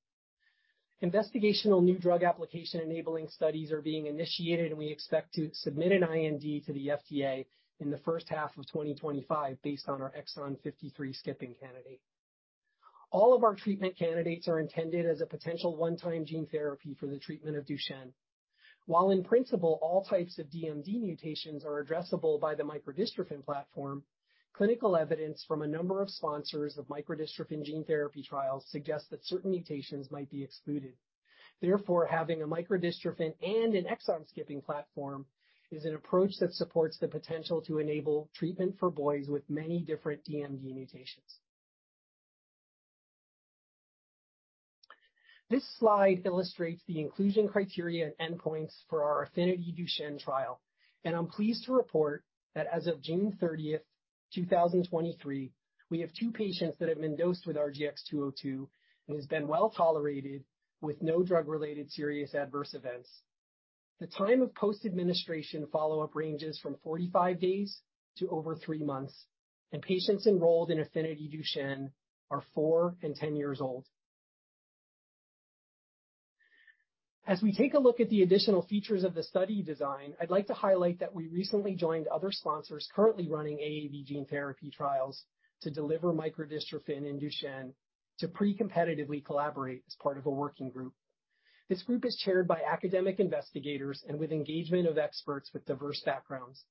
Investigational new drug application-enabling studies are being initiated, and we expect to submit an IND to the FDA in the first half of 2025 based on our exon 53 skipping candidate. All of our treatment candidates are intended as a potential one-time gene therapy for the treatment of Duchenne. While in principle, all types of DMD mutations are addressable by the microdystrophin platform. Clinical evidence from a number of sponsors of microdystrophin gene therapy trials suggest that certain mutations might be excluded. Therefore, having a microdystrophin and an exon-skipping platform is an approach that supports the potential to enable treatment for boys with many different DMD mutations. This slide illustrates the inclusion criteria and endpoints for our AFFINITY Duchenne trial. I'm pleased to report that as of June 30th, 2023, we have 2 patients that have been dosed with RGX-202. It has been well tolerated with no drug-related serious adverse events. The time of post-administration follow-up ranges from 45 days to over 3 months. Patients enrolled in AFFINITY Duchenne are 4 and 10 years old. As we take a look at the additional features of the study design, I'd like to highlight that we recently joined other sponsors currently running AAV gene therapy trials to deliver microdystrophin in Duchenne to pre-competitively collaborate as part of a working group. This group is chaired by academic investigators and with engagement of experts with diverse backgrounds.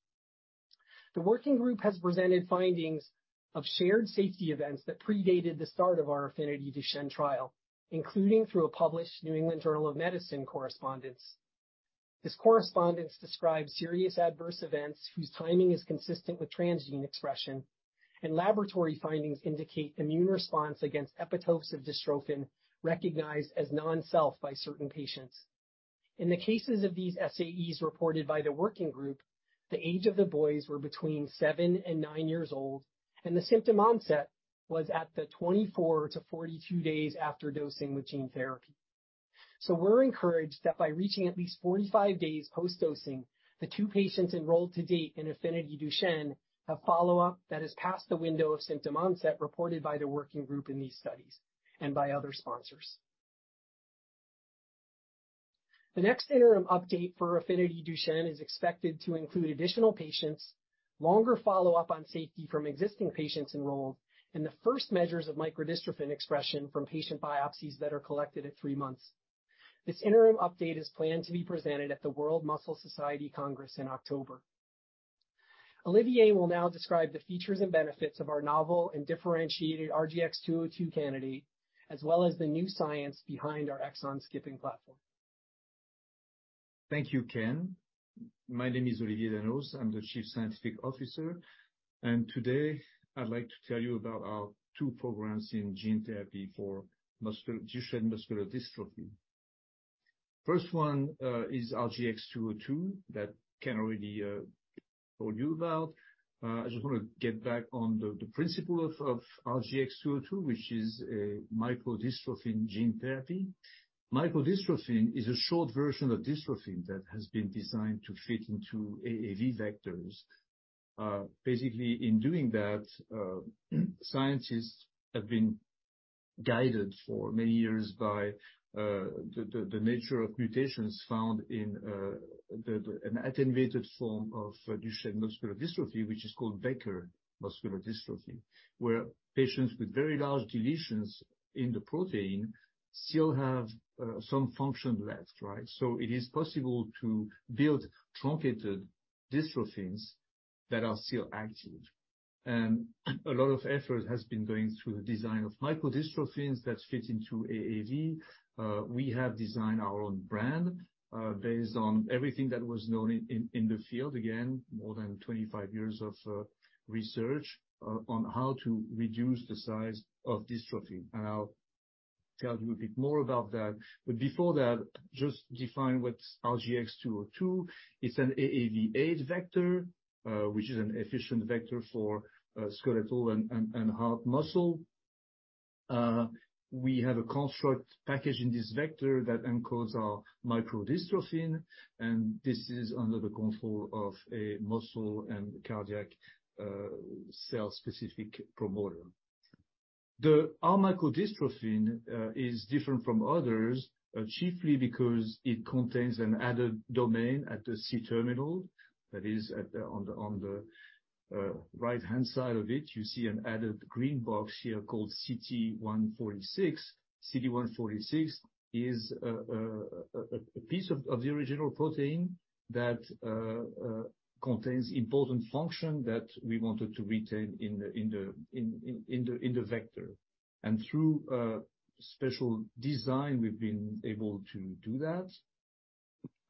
The working group has presented findings of shared safety events that predated the start of our AFFINITY DUCHENNE trial, including through a published New England Journal of Medicine correspondence. This correspondence describes serious adverse events whose timing is consistent with transgene expression, and laboratory findings indicate immune response against epitopes of dystrophin recognized as non-self by certain patients. In the cases of these SAEs reported by the working group, the age of the boys were between 7 and 9 years old, and the symptom onset was at the 24-42 days after dosing with gene therapy. We're encouraged that by reaching at least 45 days post-dosing, the two patients enrolled to date in AFFINITY DUCHENNE have follow-up that is past the window of symptom onset reported by the working group in these studies and by other sponsors. The next interim update for AFFINITY DUCHENNE is expected to include additional patients, longer follow-up on safety from existing patients enrolled, and the first measures of microdystrophin expression from patient biopsies that are collected at three months. This interim update is planned to be presented at the World Muscle Society Congress in October. Olivier will now describe the features and benefits of our novel and differentiated RGX-202 candidate, as well as the new science behind our exon-skipping platform. Thank you, Ken. My name is Olivier Danos. I'm the chief scientific officer. Today, I'd like to tell you about our two programs in gene therapy for Duchenne muscular dystrophy. First one is RGX-202 that Ken already told you about. I just want to get back on the principle of RGX-202, which is a microdystrophin gene therapy. Microdystrophin is a short version of dystrophin that has been designed to fit into AAV vectors. Basically, in doing that, scientists have been guided for many years by the nature of mutations found in an attenuated form of Duchenne muscular dystrophy, which is called Becker muscular dystrophy, where patients with very large deletions in the protein still have some function left, right? It is possible to build truncated dystrophins that are still active. A lot of effort has been going through the design of microdystrophins that fit into AAV. We have designed our own brand, based on everything that was known in the field, again, more than 25 years of research, on how to reduce the size of dystrophin. I'll tell you a bit more about that, but before that, just define what's RGX-202. It's an AAV8 vector, which is an efficient vector for skeletal and heart muscle. We have a construct packaged in this vector that encodes our microdystrophin, and this is under the control of a muscle and cardiac, cell-specific promoter. Our microdystrophin is different from others, chiefly because it contains an added domain at the C-terminal. That is, on the right-hand side of it, you see an added green box here called CT-146. CT-146 is a piece of the original protein that contains important function that we wanted to retain in the vector. Through special design, we've been able to do that.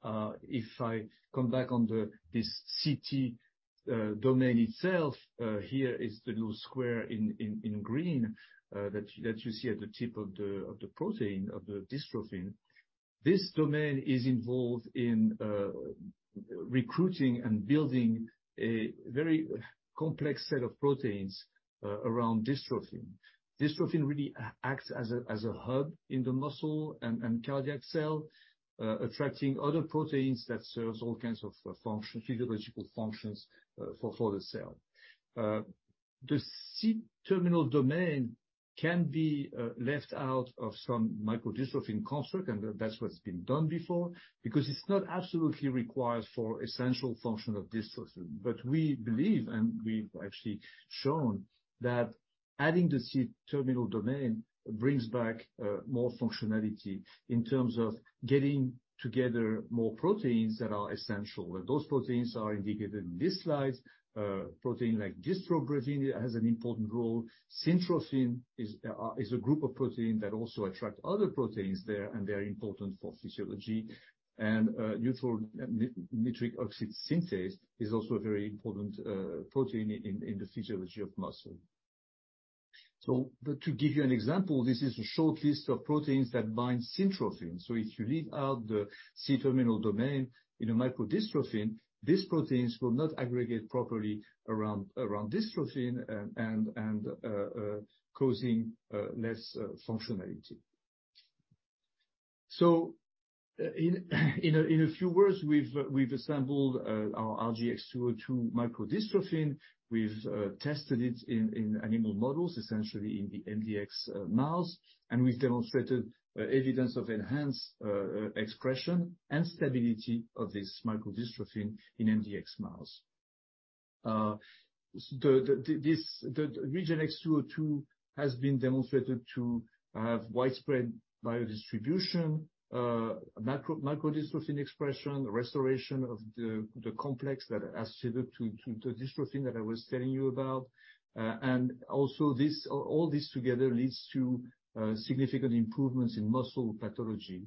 If I come back on this CT domain itself, here is the little square in green that you see at the tip of the protein, of the dystrophin. This domain is involved in recruiting and building a very complex set of proteins around dystrophin. Dystrophin really acts as a hub in the muscle and cardiac cell, attracting other proteins that serves all kinds of physiological functions for the cell. The C-terminal domain can be left out of some microdystrophin construct, and that's what's been done before, because it's not absolutely required for essential function of dystrophin. We believe, and we've actually shown, that adding the C-terminal domain brings back more functionality in terms of getting together more proteins that are essential, and those proteins are indicated in this slide. Protein like dystrobrevin has an important role. Syntrophin is a group of protein that also attract other proteins there, and they are important for physiology. Neuronal nitric oxide synthase is also a very important protein in the physiology of muscle. To give you an example, this is a short list of proteins that bind syntrophin. If you leave out the C-terminal domain in a microdystrophin, these proteins will not aggregate properly around dystrophin and causing less functionality. In a few words, we've assembled our RGX-202 microdystrophin. We've tested it in animal models, essentially in the MDX mouse. We've demonstrated evidence of enhanced expression and stability of this microdystrophin in MDX mouse. The RegeneX-dwo2 has been demonstrated to have widespread biodistribution, microdystrophin expression, restoration of the complex that are associated to the dystrophin that I was telling you about. Also, all this together leads to significant improvements in muscle pathology.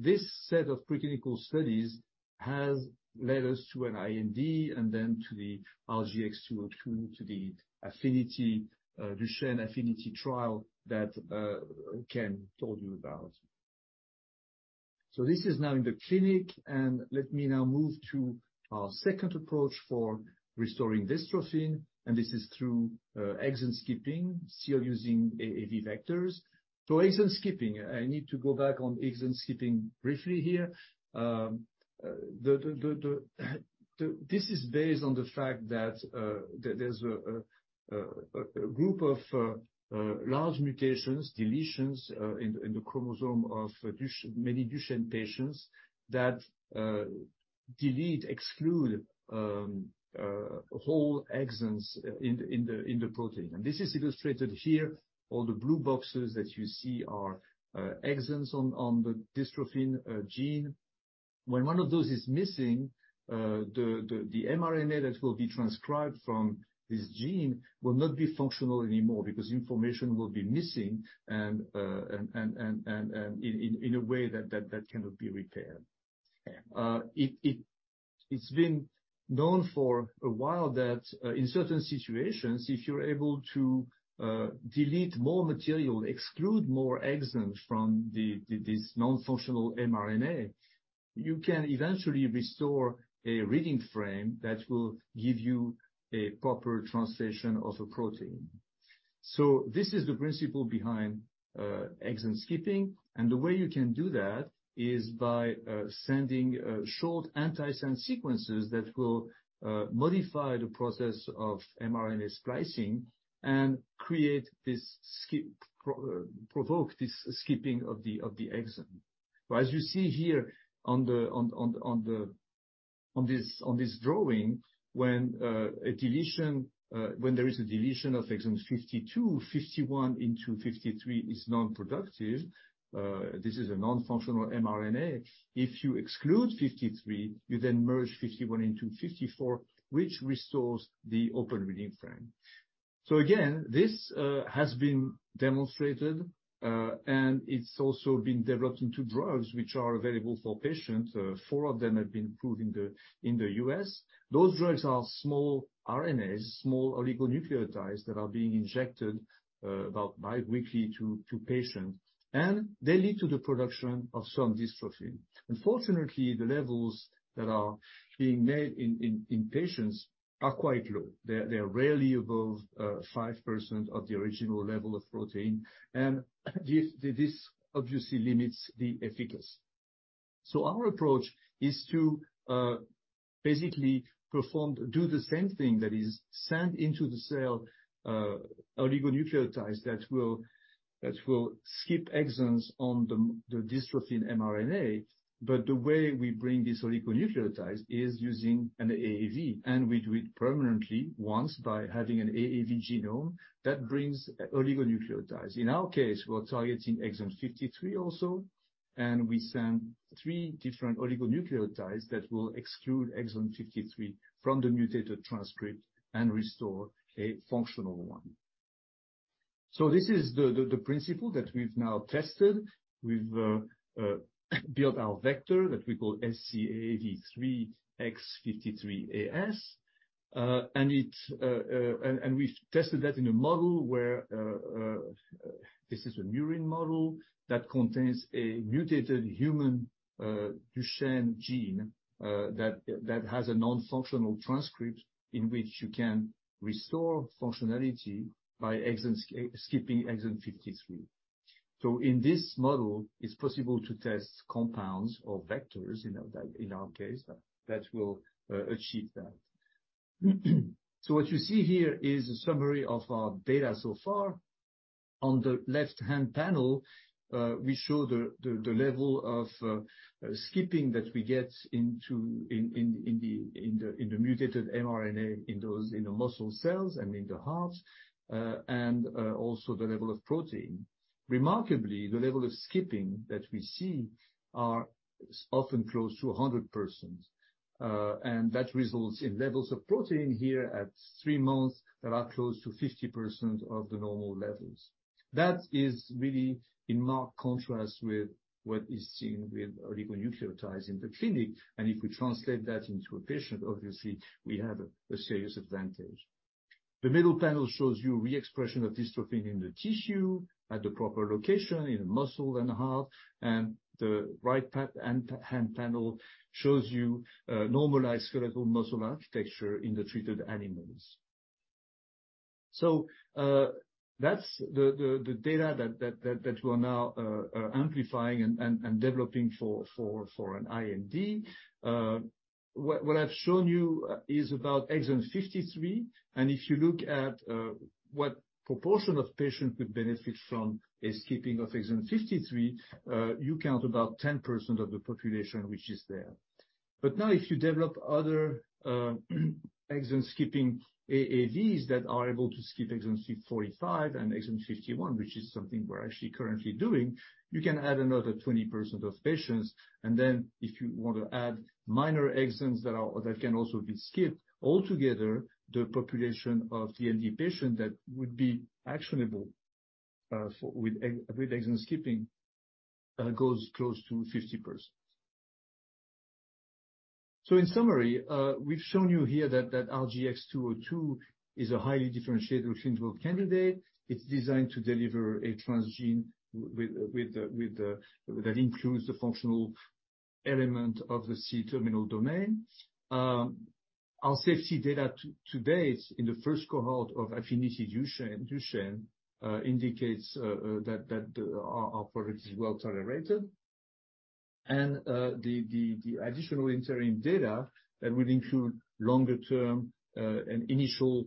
This set of preclinical studies has led us to an IND and then to the RGX-202, to the AFFINITY DUCHENNE trial that Ken told you about. This is now in the clinic, and let me now move to our second approach for restoring dystrophin, and this is through exon skipping, still using AAV vectors. Exon skipping, I need to go back on exon skipping briefly here. This is based on the fact that there's a group of large mutations, deletions, in the chromosome of many Duchenne patients, that delete, exclude, whole exons in the protein. This is illustrated here. All the blue boxes that you see are exons on the dystrophin gene. When one of those is missing, the mRNA that will be transcribed from this gene will not be functional anymore, because information will be missing and in a way that cannot be repaired. It's been known for a while that in certain situations, if you're able to delete more material, exclude more exons from this non-functional mRNA, you can eventually restore a reading frame that will give you a proper translation of a protein. This is the principle behind exon skipping, and the way you can do that is by sending short antisense sequences that will modify the process of mRNA splicing and provoke this skipping of the exon. As you see here on this drawing, when a deletion, when there is a deletion of exons 52, 51 into 53 is non-productive, this is a non-functional mRNA. If you exclude 53, you merge 51 into 54, which restores the open reading frame. Again, this has been demonstrated and it's also been developed into drugs which are available for patients. Four of them have been approved in the US Those drugs are small RNAs, small oligonucleotides that are being injected about bi-weekly to patients, and they lead to the production of some dystrophin. Unfortunately, the levels that are being made in patients are quite low. They're rarely above 5% of the original level of protein, and this obviously limits the efficacy. Our approach is to basically do the same thing, send into the cell oligonucleotides that will skip exons on the dystrophin mRNA. The way we bring these oligonucleotides is using an AAV, and we do it permanently, once by having an AAV genome that brings oligonucleotides. In our case, we're targeting exon 53 also, and we send three different oligonucleotides that will exclude exon 53 from the mutated transcript and restore a functional one. This is the principle that we've now tested. We've built our vector, that we call scAAV3-EX53AS. It, and we've tested that in a model where this is a murine model that contains a mutated human Duchenne gene that has a non-functional transcript, in which you can restore functionality by skipping exon 53. In this model, it's possible to test compounds or vectors, you know, that in our case, that will achieve that. What you see here is a summary of our data so far. On the left-hand panel, we show the level of skipping that we get into in the mutated mRNA, in those in the muscle cells and in the heart, and also the level of protein. Remarkably, the level of skipping that we see are often close to 100%, and that results in levels of protein here at 3 months that are close to 50% of the normal levels. That is really in marked contrast with what is seen with oligonucleotides in the clinic, if we translate that into a patient, obviously we have a serious advantage. The middle panel shows you reexpression of dystrophin in the tissue at the proper location, in the muscle and the heart. The right hand panel shows you normalized skeletal muscle architecture in the treated animals. That's the data that we're now amplifying and developing for an IND. What I've shown you is about exon 53, and if you look at what proportion of patients would benefit from a skipping of exon 53, you count about 10% of the population, which is there. Now if you develop other exon skipping AAVs that are able to skip exon 45 and exon 51, which is something we're actually currently doing, you can add another 20% of patients. If you want to add minor exons that can also be skipped, altogether, the population of the DMD patient that would be actionable with exon skipping goes close to 50%. In summary, we've shown you here that RGX-202 is a highly differentiated clinical candidate. It's designed to deliver a transgene with a. That includes the functional element of the C-terminal domain. Our safety data to date, in the first cohort of AFFINITY DUCHENNE, indicates that our product is well tolerated. The additional interim data that will include longer-term and initial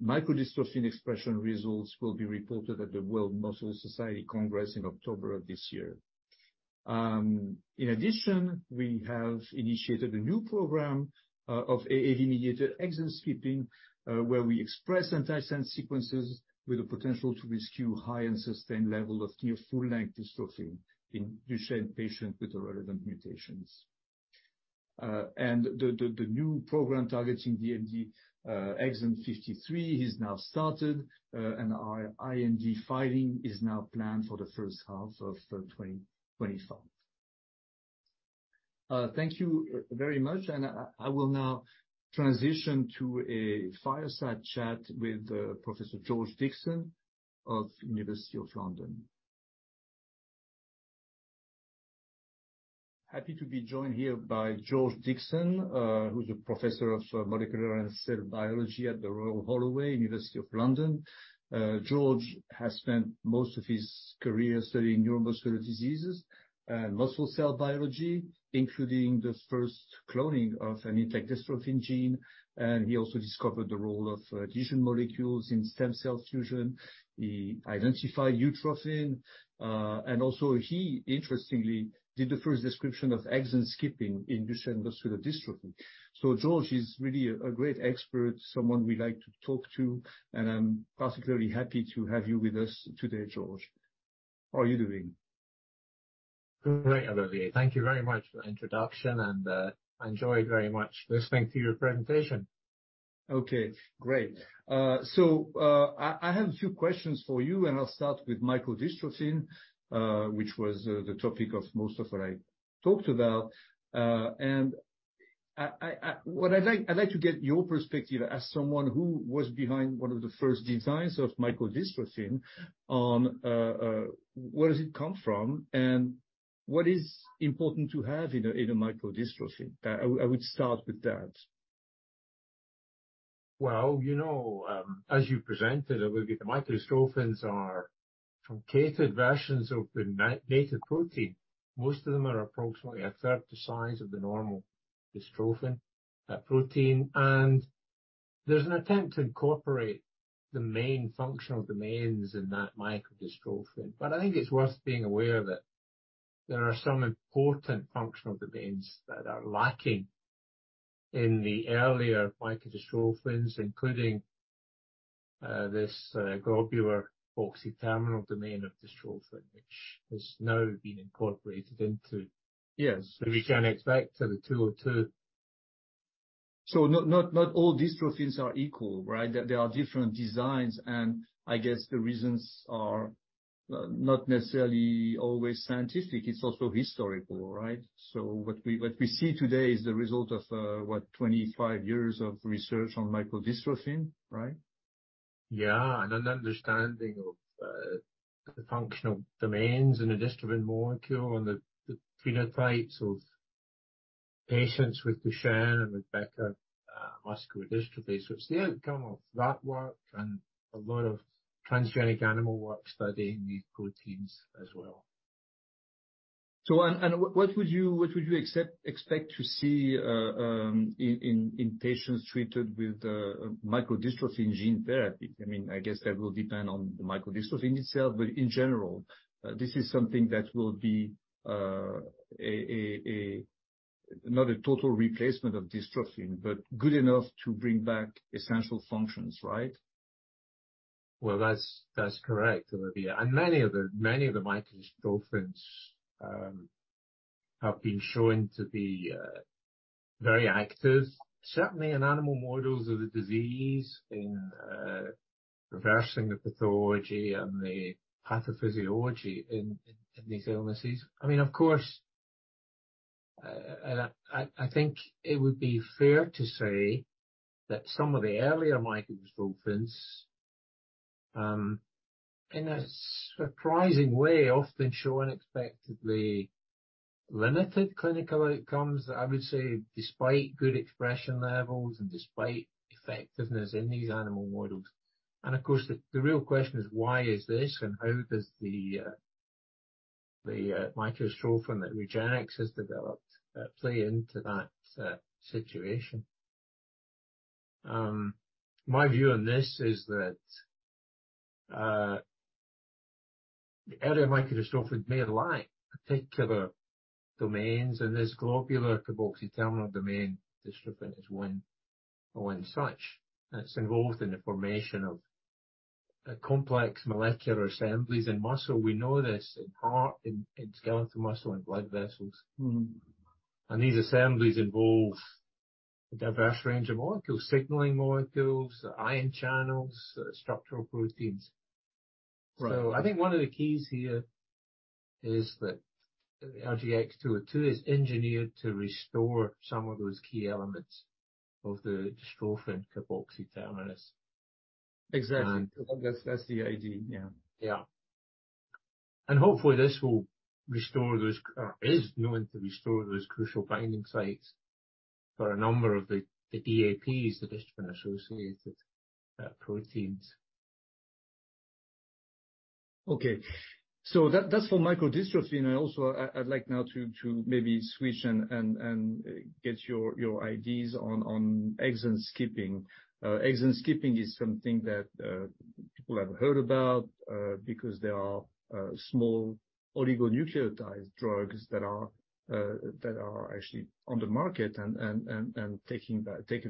micro dystrophin expression results will be reported at the World Muscle Society Congress in October of this year. In addition, we have initiated a new program of AAV-mediated exon skipping, where we express antisense sequences with the potential to rescue high and sustained level of near full-length dystrophin in Duchenne patients with the relevant mutations. The new program targeting DMD exon 53 is now started, and our IND filing is now planned for the 1st half of 2025. Thank you very much, and I will now transition to a fireside chat with Professor George Dickson of University of London. Happy to be joined here by George Dickson, who's a professor of molecular and cell biology at the Royal Holloway, University of London. George has spent most of his career studying neuromuscular diseases and muscle cell biology, including the first cloning of an intact dystrophin gene, and he also discovered the role of adhesion molecules in stem cell fusion. He identified utrophin, and also he interestingly did the first description of exon skipping in Duchenne muscular dystrophy. George is really a great expert, someone we like to talk to, and I'm particularly happy to have you with us today, George. How are you doing? Great, Olivier. Thank you very much for the introduction, and I enjoyed very much listening to your presentation. Okay, great. I have a few questions for you, and I'll start with micro dystrophin, which was the topic of most of what I talked about. And I'd like to get your perspective as someone who was behind one of the first designs of micro dystrophin on where does it come from, and what is important to have in a micro dystrophin? I would start with that. you know, as you presented, Olivier, the micro dystrophins are truncated versions of the native protein. Most of them are approximately a third the size of the normal dystrophin protein, and there's an attempt to incorporate the main functional domains in that micro dystrophin. I think it's worth being aware that there are some important functional domains that are lacking in the earlier micro dystrophins, including this globular carboxy-terminal domain of dystrophin, which has now been incorporated into... Yes. We can expect the 202. Not all dystrophins are equal, right? There are different designs, and I guess the reasons are not necessarily always scientific. It's also historical, right? What we see today is the result of what? 25 years of research on micro dystrophin, right? Yeah, an understanding of the functional domains in a dystrophin molecule and the phenotypes of patients with Duchenne and with Becker muscular dystrophies. It's the outcome of that work and a lot of transgenic animal work studying these proteins as well. What would you expect to see in patients treated with microdystrophin gene therapy? I mean, I guess that will depend on the microdystrophin itself, but in general, this is something that will be a not a total replacement of dystrophin, but good enough to bring back essential functions, right? Well, that's correct, Olivier. Many of the microdystrophins have been shown to be very active, certainly in animal models of the disease, in reversing the pathology and the pathophysiology in these illnesses. I mean, of course, I think it would be fair to say that some of the earlier microdystrophins, in a surprising way, often show unexpectedly limited clinical outcomes, I would say, despite good expression levels and despite effectiveness in these animal models. Of course, the real question is: Why is this, and how does the microdystrophin that REGENXBIO has developed play into that situation. My view on this is that the area ofmicrodystrophin may lack particular domains, and this globular carboxy-terminal domain dystrophin is one such, and it's involved in the formation of a complex molecular assemblies in muscle. We know this in heart, in skeletal muscle and blood vessels. Mm-hmm. These assemblies involve a diverse range of molecules: signaling molecules, ion channels, structural proteins. Right. I think one of the keys here is that RGX-202 is engineered to restore some of those key elements of the dystrophin carboxy-terminus. Exactly. That's the idea. Yeah. Yeah. Hopefully this will restore those, or is known to restore those crucial binding sites for a number of the DAPs, the Dystrophin-associated proteins. Okay. That's for microdystrophin. I also, I'd like now to maybe switch and get your ideas on exon skipping. Exon skipping is something that people have heard about because there are small oligonucleotide drugs that are actually on the market and taken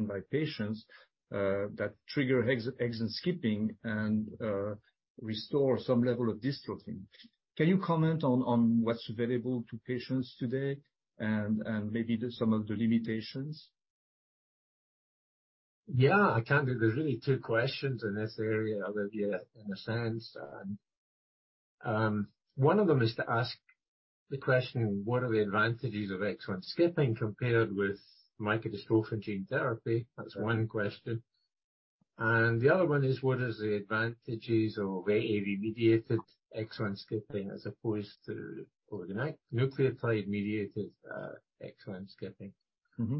by patients that trigger exon skipping and restore some level of dystrophin. Can you comment on what's available to patients today and maybe some of the limitations? Yeah, I can do. There's really two questions in this area, Olivier, in a sense. One of them is to ask the question: What are the advantages of exon skipping compared with microdystrophin gene therapy? Right. That's one question. The other one is: What is the advantages of AAV-mediated exon skipping as opposed to oligonucleotide-mediated, exon skipping? Mm-hmm.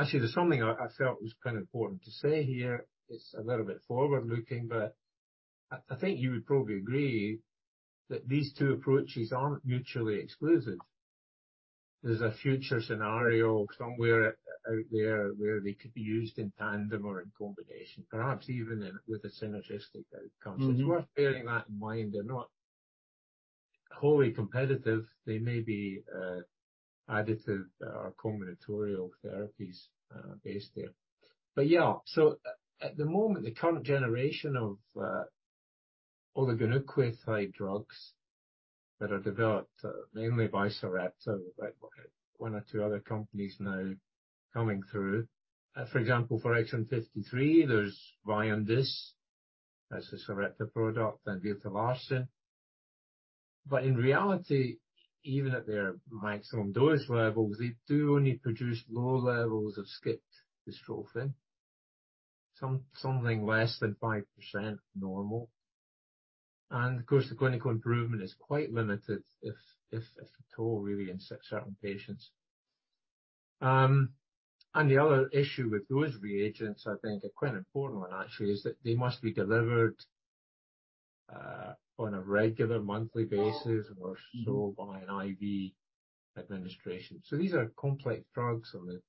Actually, there's something I felt was quite important to say here. It's a little bit forward-looking, I think you would probably agree that these two approaches aren't mutually exclusive. There's a future scenario somewhere out there where they could be used in tandem or in combination, perhaps even with a synergistic outcome. Mm-hmm. It's worth bearing that in mind. They're not wholly competitive. They may be additive or combinatorial therapies based there. At the moment, the current generation of oligonucleotide drugs that are developed mainly by Sarepta, but one or two other companies now coming through. For example, for exon 53, there's Vyondys, that's a Sarepta product, and eteplirsen. In reality, even at their maximum dose levels, they do only produce low levels of skipped dystrophin, something less than 5% normal. Of course, the clinical improvement is quite limited, if at all, really in certain patients. The other issue with those reagents, I think a quite important one actually, is that they must be delivered on a regular monthly basis or so by an IV administration. These are complex drugs, and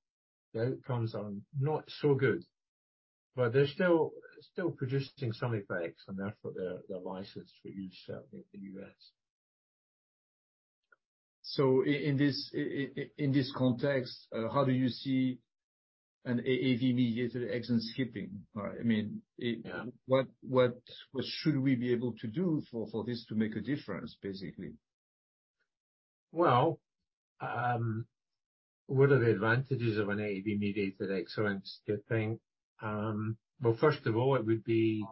the outcomes are not so good, but they're still producing some effects, and therefore they're licensed for use, certainly in the US In this context, how do you see an AAV-mediated exon skipping? Yeah. What should we be able to do for this to make a difference, basically? Well, what are the advantages of an AAV-mediated exon skipping? Well, first of all, it would be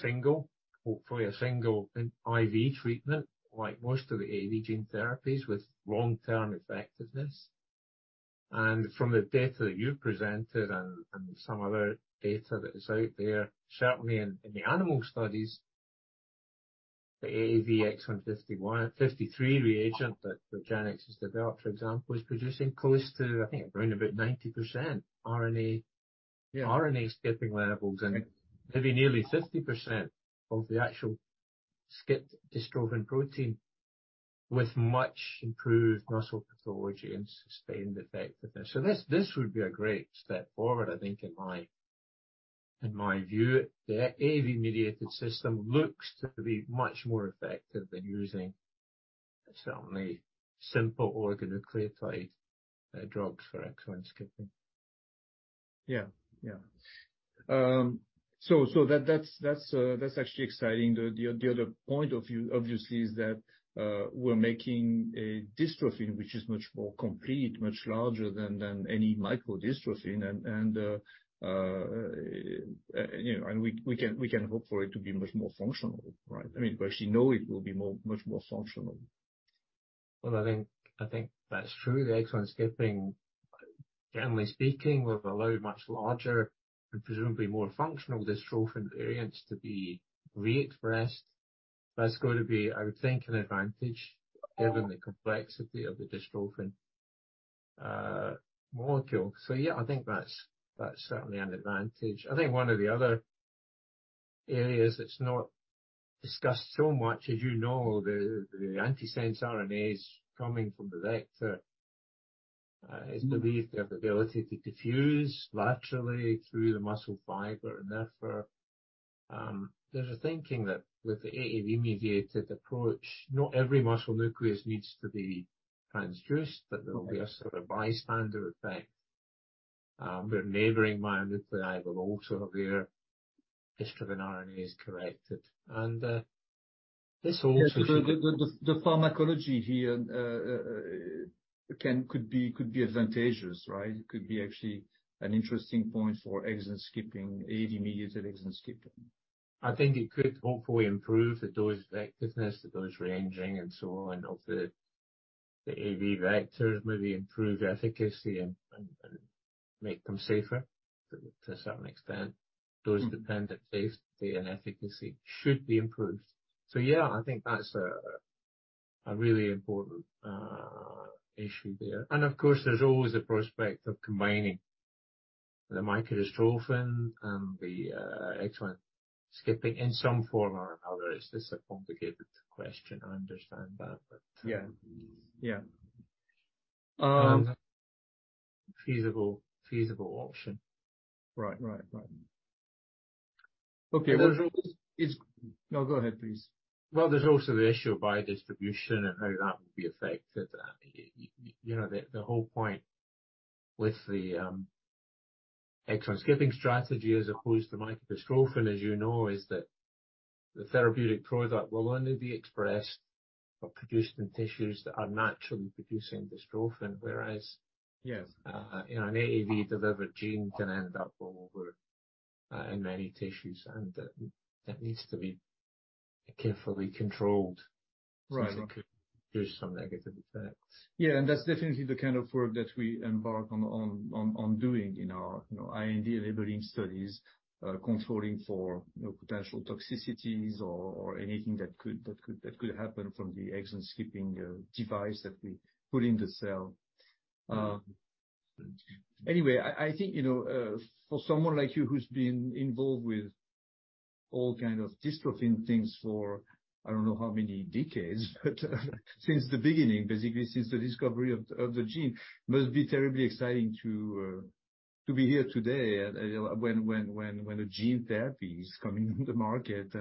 single, hopefully a single IV treatment, like most of the AAV gene therapies, with long-term effectiveness. From the data that you've presented and some other data that is out there, certainly in the animal studies. The AAVX 151, 53 reagent that Regenx has developed, for example, is producing close to, I think, around about 90% RNA- Yeah. RNA skipping levels and maybe nearly 50% of the actual skipped dystrophin protein, with much improved muscle pathology and sustained effectiveness. This would be a great step forward, I think, in my, in my view. The AAV-mediated system looks to be much more effective than using certainly simple antisense oligonucleotide drugs for exon skipping. Yeah. Yeah. That's actually exciting. The other point of view, obviously, is that we're making a dystrophin, which is much more complete, much larger than any micro dystrophin. You know, we can hope for it to be much more functional, right? I mean, we actually know it will be much more functional. Well, I think that's true. The exon skipping, generally speaking, will allow much larger and presumably more functional dystrophin variants to be re-expressed. That's going to be, I would think, an advantage given the complexity of the dystrophin molecule. Yeah, I think that's certainly an advantage. I think one of the other areas that's not discussed so much, as you know, the antisense RNAs coming from the vector is believed to have the ability to diffuse laterally through the muscle fiber. Therefore, there's a thinking that with the AAV-mediated approach, not every muscle nucleus needs to be transduced. Okay. There will be a sort of bystander effect, where neighboring myonuclei will also have their dystrophin RNAs corrected. The pharmacology here could be advantageous, right? It could be actually an interesting point for exon skipping, AAV-mediated exon skipping. I think it could hopefully improve the dose effectiveness, the dose ranging, and so on, of the AAV vectors, maybe improve efficacy and make them safer to a certain extent. Those dependent phase and efficacy should be improved. Yeah, I think that's a really important issue there. Of course, there's always the prospect of combining the microdystrophin and the exon skipping in some form or another. It's just a complicated question, I understand that. Yeah. Yeah. Feasible, feasible option. Right. Right. Okay. There's always. No, go ahead, please. Well, there's also the issue of biodistribution and how that will be affected. You know, the whole point with the exon skipping strategy as opposed to microdystrophin, as you know, is that the therapeutic product will only be expressed or produced in tissues that are naturally producing dystrophin. Whereas. Yes. you know, an AAV-delivered gene can end up all over, in many tissues, and that needs to be carefully controlled. Right. Since it could produce some negative effects. That's definitely the kind of work that we embark on doing in our, you know, IND-enabling studies. Controlling for, you know, potential toxicities or anything that could happen from the exon skipping device that we put in the cell. Anyway, I think, you know, for someone like you who's been involved with all kind of dystrophin things for I don't know how many decades, but since the beginning, basically since the discovery of the gene, must be terribly exciting to be here today and, you know, when a gene therapy is coming on the market.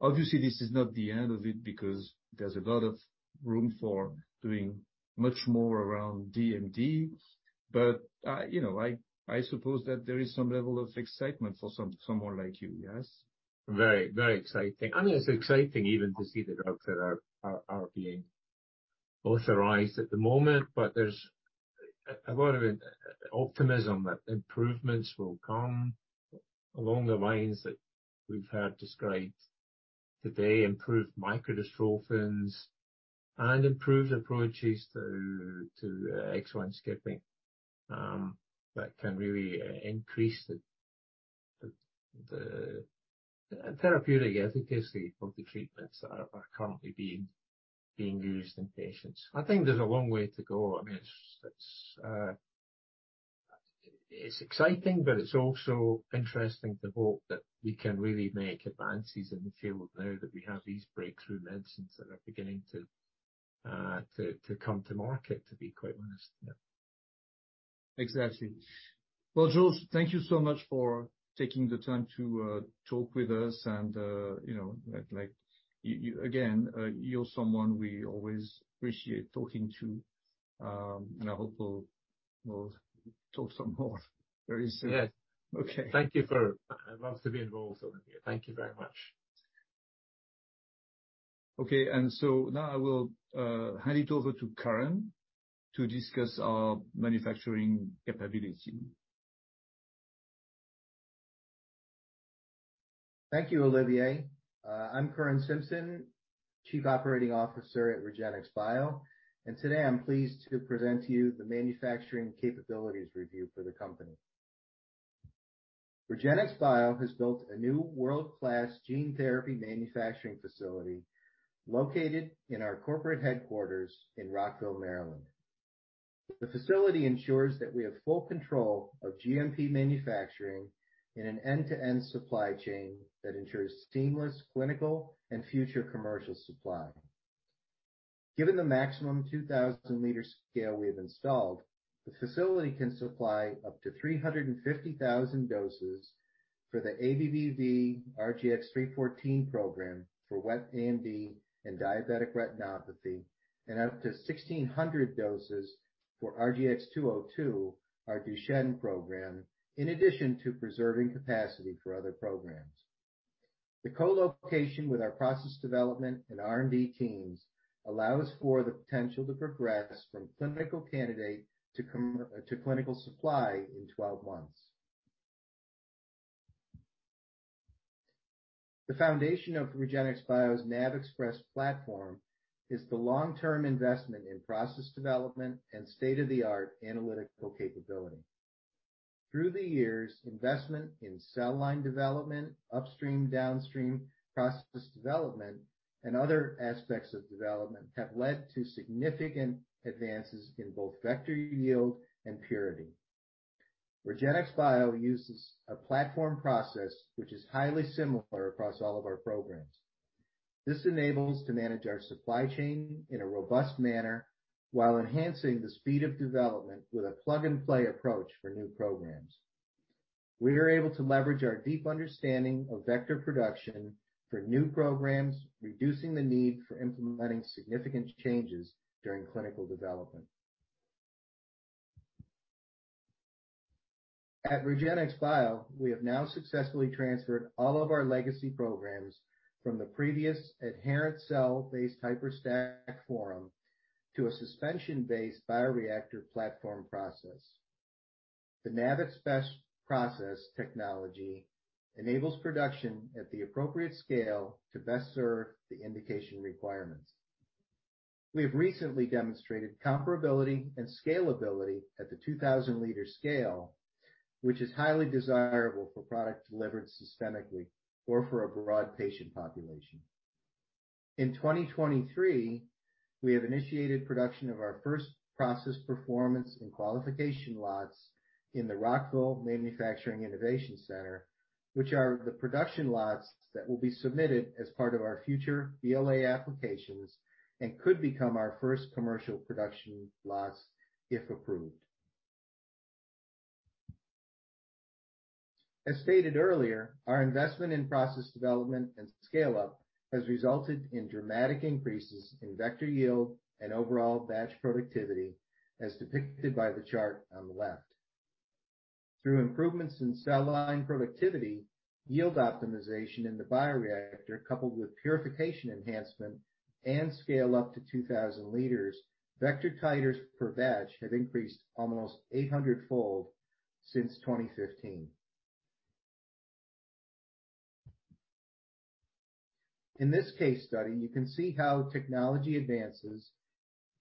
Obviously, this is not the end of it because there's a lot of room for doing much more around DMD. I, you know, I suppose that there is some level of excitement for someone like you. Yes? Very, very exciting. I mean, it's exciting even to see the drugs that are being authorized at the moment. There's a lot of optimism that improvements will come along the lines that we've had described today, improved microdystrophins and improved approaches to exon skipping. That can really increase the therapeutic efficacy of the treatments that are currently being used in patients. I think there's a long way to go. I mean, it's exciting, but it's also interesting to hope that we can really make advances in the field now that we have these breakthrough medicines that are beginning to come to market, to be quite honest. Yeah. Exactly. Well, George, thank you so much for taking the time to talk with us and, you know, like, you again, you're someone we always appreciate talking to, and I hope we'll talk some more very soon. Yes. Okay. I love to be involved, Olivier. Thank you very much. Okay, now I will hand it over to Curran to discuss our manufacturing capability. Thank you, Olivier. I'm Curran Simpson, Chief Operating Officer at REGENXBIO. Today I'm pleased to present to you the manufacturing capabilities review for the company. REGENXBIO has built a new world-class gene therapy manufacturing facility located in our corporate headquarters in Rockville, Maryland. The facility ensures that we have full control of GMP manufacturing in an end-to-end supply chain that ensures seamless clinical and future commercial supply. Given the maximum 2,000 liter scale we've installed, the facility can supply up to 350,000 doses for the ABBV-RGX-314 program for wet AMD and diabetic retinopathy, and up to 1,600 doses for RGX-202, our Duchenne program, in addition to preserving capacity for other programs. The co-location with our process development and R&D teams allows for the potential to progress from clinical candidate to clinical supply in 12 months. The foundation of REGENXBIO's NAVXpress platform is the long-term investment in process development and state-of-the-art analytical capability. Through the years, investment in cell line development, upstream, downstream process development, and other aspects of development have led to significant advances in both vector yield and purity. REGENXBIO uses a platform process which is highly similar across all of our programs. This enables to manage our supply chain in a robust manner while enhancing the speed of development with a plug-and-play approach for new programs. We are able to leverage our deep understanding of vector production for new programs, reducing the need for implementing significant changes during clinical development. At REGENXBIO, we have now successfully transferred all of our legacy programs from the previous adherent cell-based HYPERStack forum to a suspension-based bioreactor platform process. The NAVXpress process technology enables production at the appropriate scale to best serve the indication requirements. We have recently demonstrated comparability and scalability at the 2,000 liter scale, which is highly desirable for products delivered systemically or for a broad patient population. In 2023, we have initiated production of our first process performance and qualification lots in the Rockville Manufacturing Innovation Center, which are the production lots that will be submitted as part of our future BLA applications and could become our first commercial production lots, if approved. As stated earlier, our investment in process development and scale-up has resulted in dramatic increases in vector yield and overall batch productivity, as depicted by the chart on the left. Through improvements in cell line productivity, yield optimization in the bioreactor, coupled with purification enhancement and scale-up to 2,000 liters, vector titers per batch have increased almost 800-fold since 2015. In this case study, you can see how technology advances,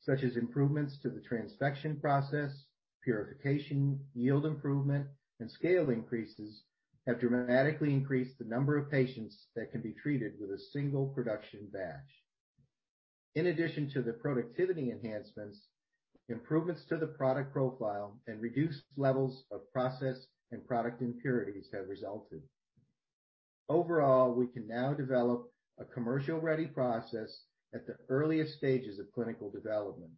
such as improvements to the transfection process, purification, yield improvement, and scale increases, have dramatically increased the number of patients that can be treated with a single production batch. In addition to the productivity enhancements, improvements to the product profile and reduced levels of process and product impurities have resulted. Overall, we can now develop a commercial-ready process at the earliest stages of clinical development,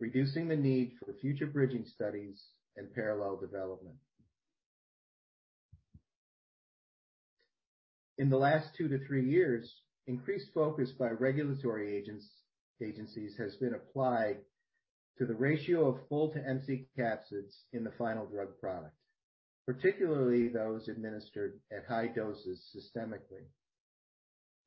reducing the need for future bridging studies and parallel development. In the last 2-3 years, increased focus by regulatory agencies has been applied to the ratio of full to empty capsids in the final drug product, particularly those administered at high doses systemically.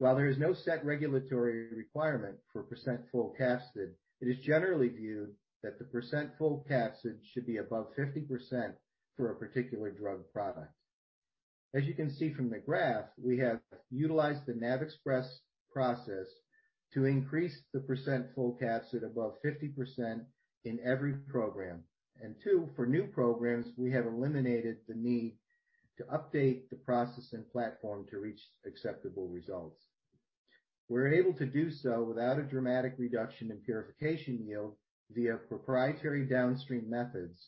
While there is no set regulatory requirement for percent full capsid, it is generally viewed that the percent full capsid should be above 50% for a particular drug product. As you can see from the graph, we have utilized the NAVXpress process to increase the percent full capsid above 50% in every program. 2, for new programs, we have eliminated the need to update the process and platform to reach acceptable results. We're able to do so without a dramatic reduction in purification yield via proprietary downstream methods,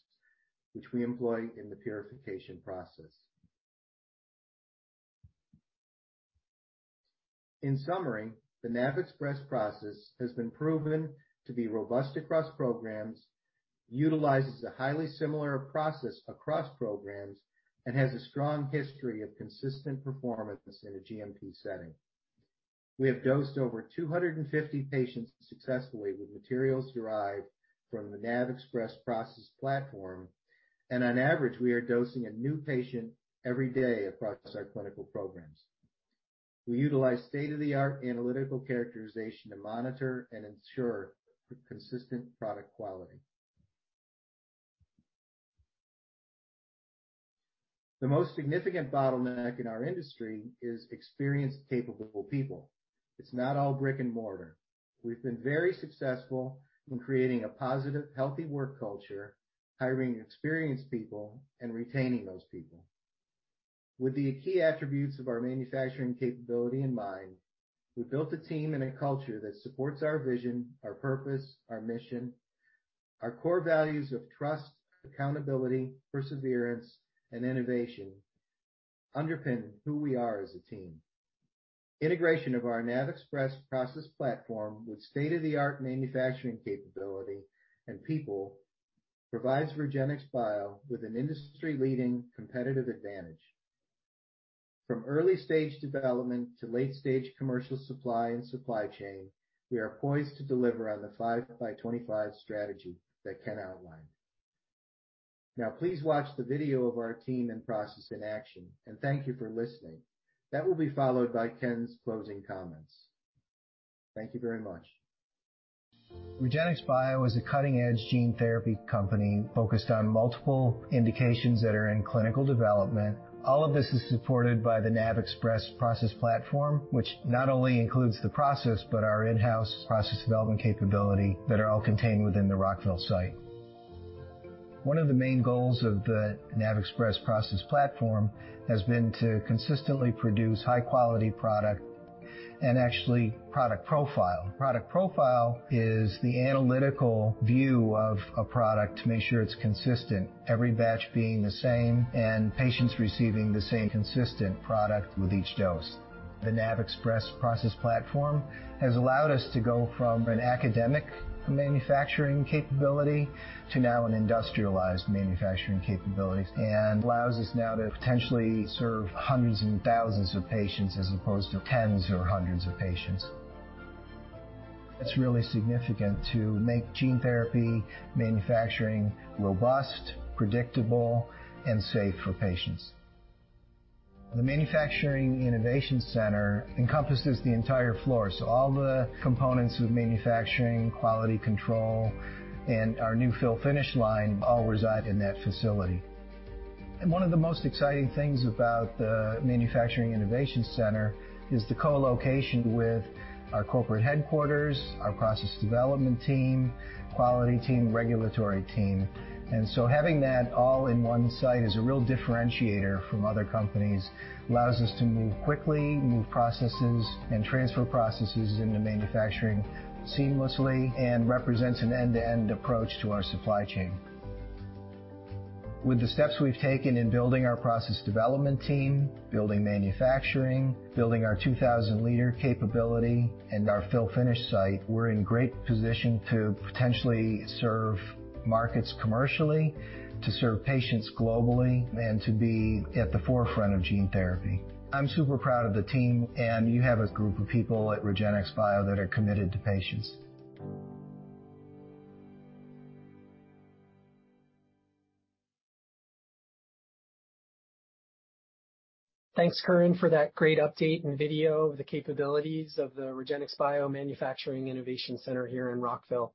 which we employ in the purification process. In summary, the NAVXpress process has been proven to be robust across programs, utilizes a highly similar process across programs, and has a strong history of consistent performance in a GMP setting. We have dosed over 250 patients successfully with materials derived from the NAVXpress process platform. On average, we are dosing a new patient every day across our clinical programs. We utilize state-of-the-art analytical characterization to monitor and ensure consistent product quality. The most significant bottleneck in our industry is experienced, capable people. It's not all brick and mortar. We've been very successful in creating a positive, healthy work culture, hiring experienced people, and retaining those people. With the key attributes of our manufacturing capability in mind, we built a team and a culture that supports our vision, our purpose, our mission, our core values of trust, accountability, perseverance, and innovation underpin who we are as a team. Integration of our NAVXpress process platform with state-of-the-art manufacturing capability and people, provides REGENXBIO with an industry-leading competitive advantage. From early-stage development to late-stage commercial supply and supply chain, we are poised to deliver on the Five by 2025 strategy that Ken outlined. Now, please watch the video of our team and process in action, and thank you for listening. That will be followed by Ken's closing comments. Thank you very much. REGENXBIO is a cutting-edge gene therapy company focused on multiple indications that are in clinical development. All of this is supported by the NAVXpress process platform, which not only includes the process, but our in-house process development capability that are all contained within the Rockville site. One of the main goals of the NAVXpress process platform has been to consistently produce high-quality product and actually product profile. Product profile is the analytical view of a product to make sure it's consistent, every batch being the same, and patients receiving the same consistent product with each dose. The NAVXpress process platform has allowed us to go from an academic manufacturing capability to now an industrialized manufacturing capabilities, allows us now to potentially serve hundreds and thousands of patients, as opposed to tens or hundreds of patients. It's really significant to make gene therapy manufacturing robust, predictable, and safe for patients. The Manufacturing Innovation Center encompasses the entire floor, so all the components of manufacturing, quality control, and our new fill finish line all reside in that facility. One of the most exciting things about the Manufacturing Innovation Center is the co-location with our corporate headquarters, our process development team, quality team, regulatory team. Having that all in one site is a real differentiator from other companies. Allows us to move quickly, move processes, and transfer processes into manufacturing seamlessly, and represents an end-to-end approach to our supply chain. With the steps we've taken in building our process development team, building manufacturing, building our 2,000 liter capability and our fill finish site, we're in great position to potentially serve markets commercially, to serve patients globally, and to be at the forefront of gene therapy. I'm super proud of the team. You have a group of people at REGENXBIO that are committed to patients. Thanks, Curran, for that great update and video of the capabilities of the REGENXBIO Manufacturing Innovation Center here in Rockville.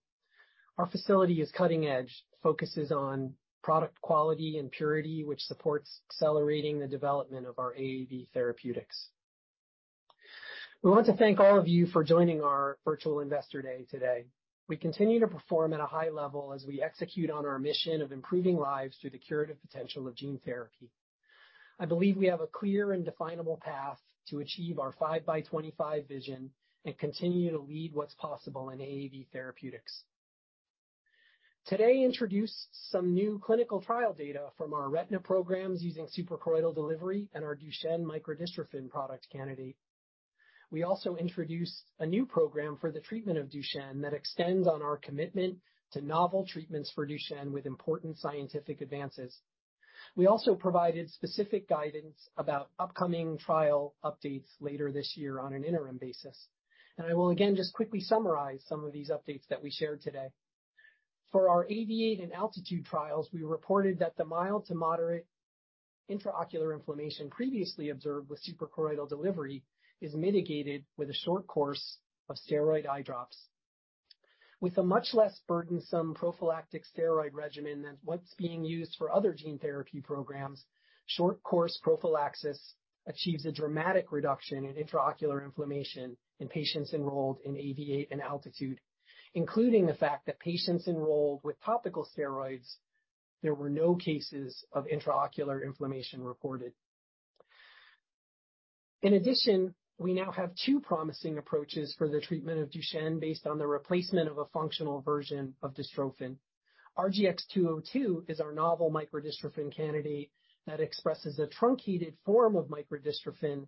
Our facility is cutting-edge, focuses on product quality and purity, which supports accelerating the development of our AAV therapeutics. We want to thank all of you for joining our Virtual Investor Day today. We continue to perform at a high level as we execute on our mission of improving lives through the curative potential of gene therapy. I believe we have a clear and definable path to achieve our 5x 2025 vision and continue to lead what's possible in AAV therapeutics. Today, introduced some new clinical trial data from our retina programs using suprachoroidal delivery and our Duchenne microdystrophin product candidate. We also introduced a new program for the treatment of Duchenne that extends on our commitment to novel treatments for Duchenne with important scientific advances. We also provided specific guidance about upcoming trial updates later this year on an interim basis, and I will again, just quickly summarize some of these updates that we shared today. For our AAVIATE and ALTITUDE trials, we reported that the mild to moderate intraocular inflammation previously observed with suprachoroidal delivery is mitigated with a short course of steroid eye drops. With a much less burdensome prophylactic steroid regimen than what's being used for other gene therapy programs, short course prophylaxis achieves a dramatic reduction in intraocular inflammation in patients enrolled in AAVIATE and ALTITUDE, including the fact that patients enrolled with topical steroids, there were no cases of intraocular inflammation reported. In addition, we now have two promising approaches for the treatment of Duchenne based on the replacement of a functional version of dystrophin. RGX-202 is our novel microdystrophin candidate that expresses a truncated form of microdystrophin,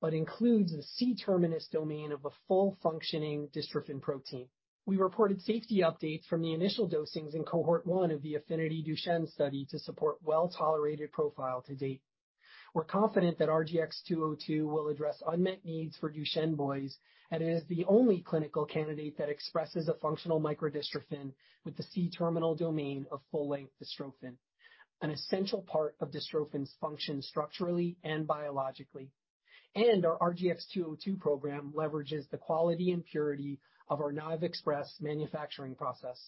but includes a C-terminus domain of a full-functioning dystrophin protein. We reported safety updates from the initial dosings in cohort 1 of the AFFINITY DUCHENNE study to support well-tolerated profile to date. We're confident that RGX-202 will address unmet needs for Duchenne boys. It is the only clinical candidate that expresses a functional microdystrophin with the C-terminal domain of full-length dystrophin, an essential part of dystrophin's function, structurally and biologically. Our RGX-202 program leverages the quality and purity of our NAVXpress manufacturing process.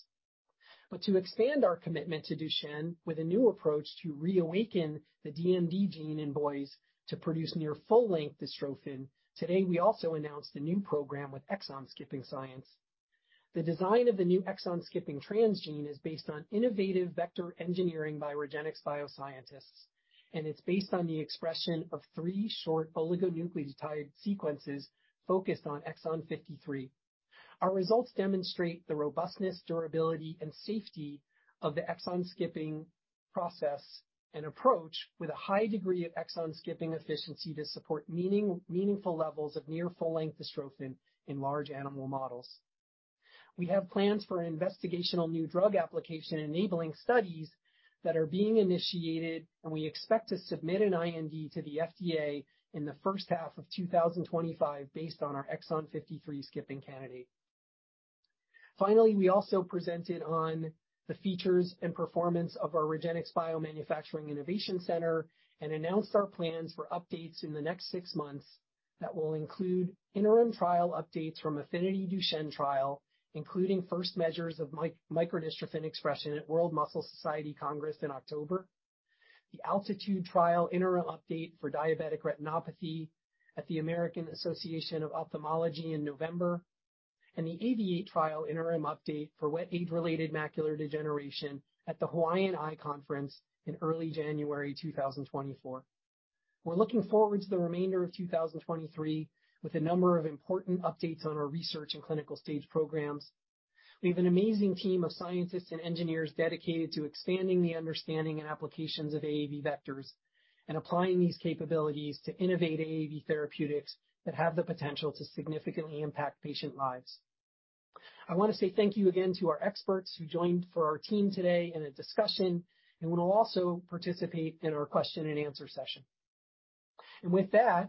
To expand our commitment to Duchenne with a new approach to reawaken the DMD gene in boys to produce near full-length dystrophin, today, we also announced a new program with exon-skipping science. The design of the new exon-skipping transgene is based on innovative vector engineering by REGENXBIO scientists. It's based on the expression of 3 short oligonucleotide sequences focused on exon 53. Our results demonstrate the robustness, durability, and safety of the exon-skipping process and approach, with a high degree of exon-skipping efficiency to support meaningful levels of near full-length dystrophin in large animal models. We have plans for an investigational new drug application, enabling studies that are being initiated. We expect to submit an IND to the FDA in the first half of 2025 based on our exon 53 skipping candidate. Finally, we also presented on the features and performance of our REGENXBIO Manufacturing Innovation Center and announced our plans for updates in the next 6 months that will include interim trial updates from AFFINITY DUCHENNE trial, including first measures of microdystrophin expression at World Muscle Society Congress in October, the ALTITUDE trial interim update for diabetic retinopathy at the American Academy of Ophthalmology in November, and the AAVIATE trial interim update for wet age-related macular degeneration at the Hawaiian Eye Conference in early January 2024. We're looking forward to the remainder of 2023 with a number of important updates on our research and clinical stage programs. We have an amazing team of scientists and engineers dedicated to expanding the understanding and applications of AAV vectors and applying these capabilities to innovate AAV therapeutics that have the potential to significantly impact patient lives. I want to say thank you again to our experts who joined for our team today in a discussion, and will also participate in our question and answer session. With that,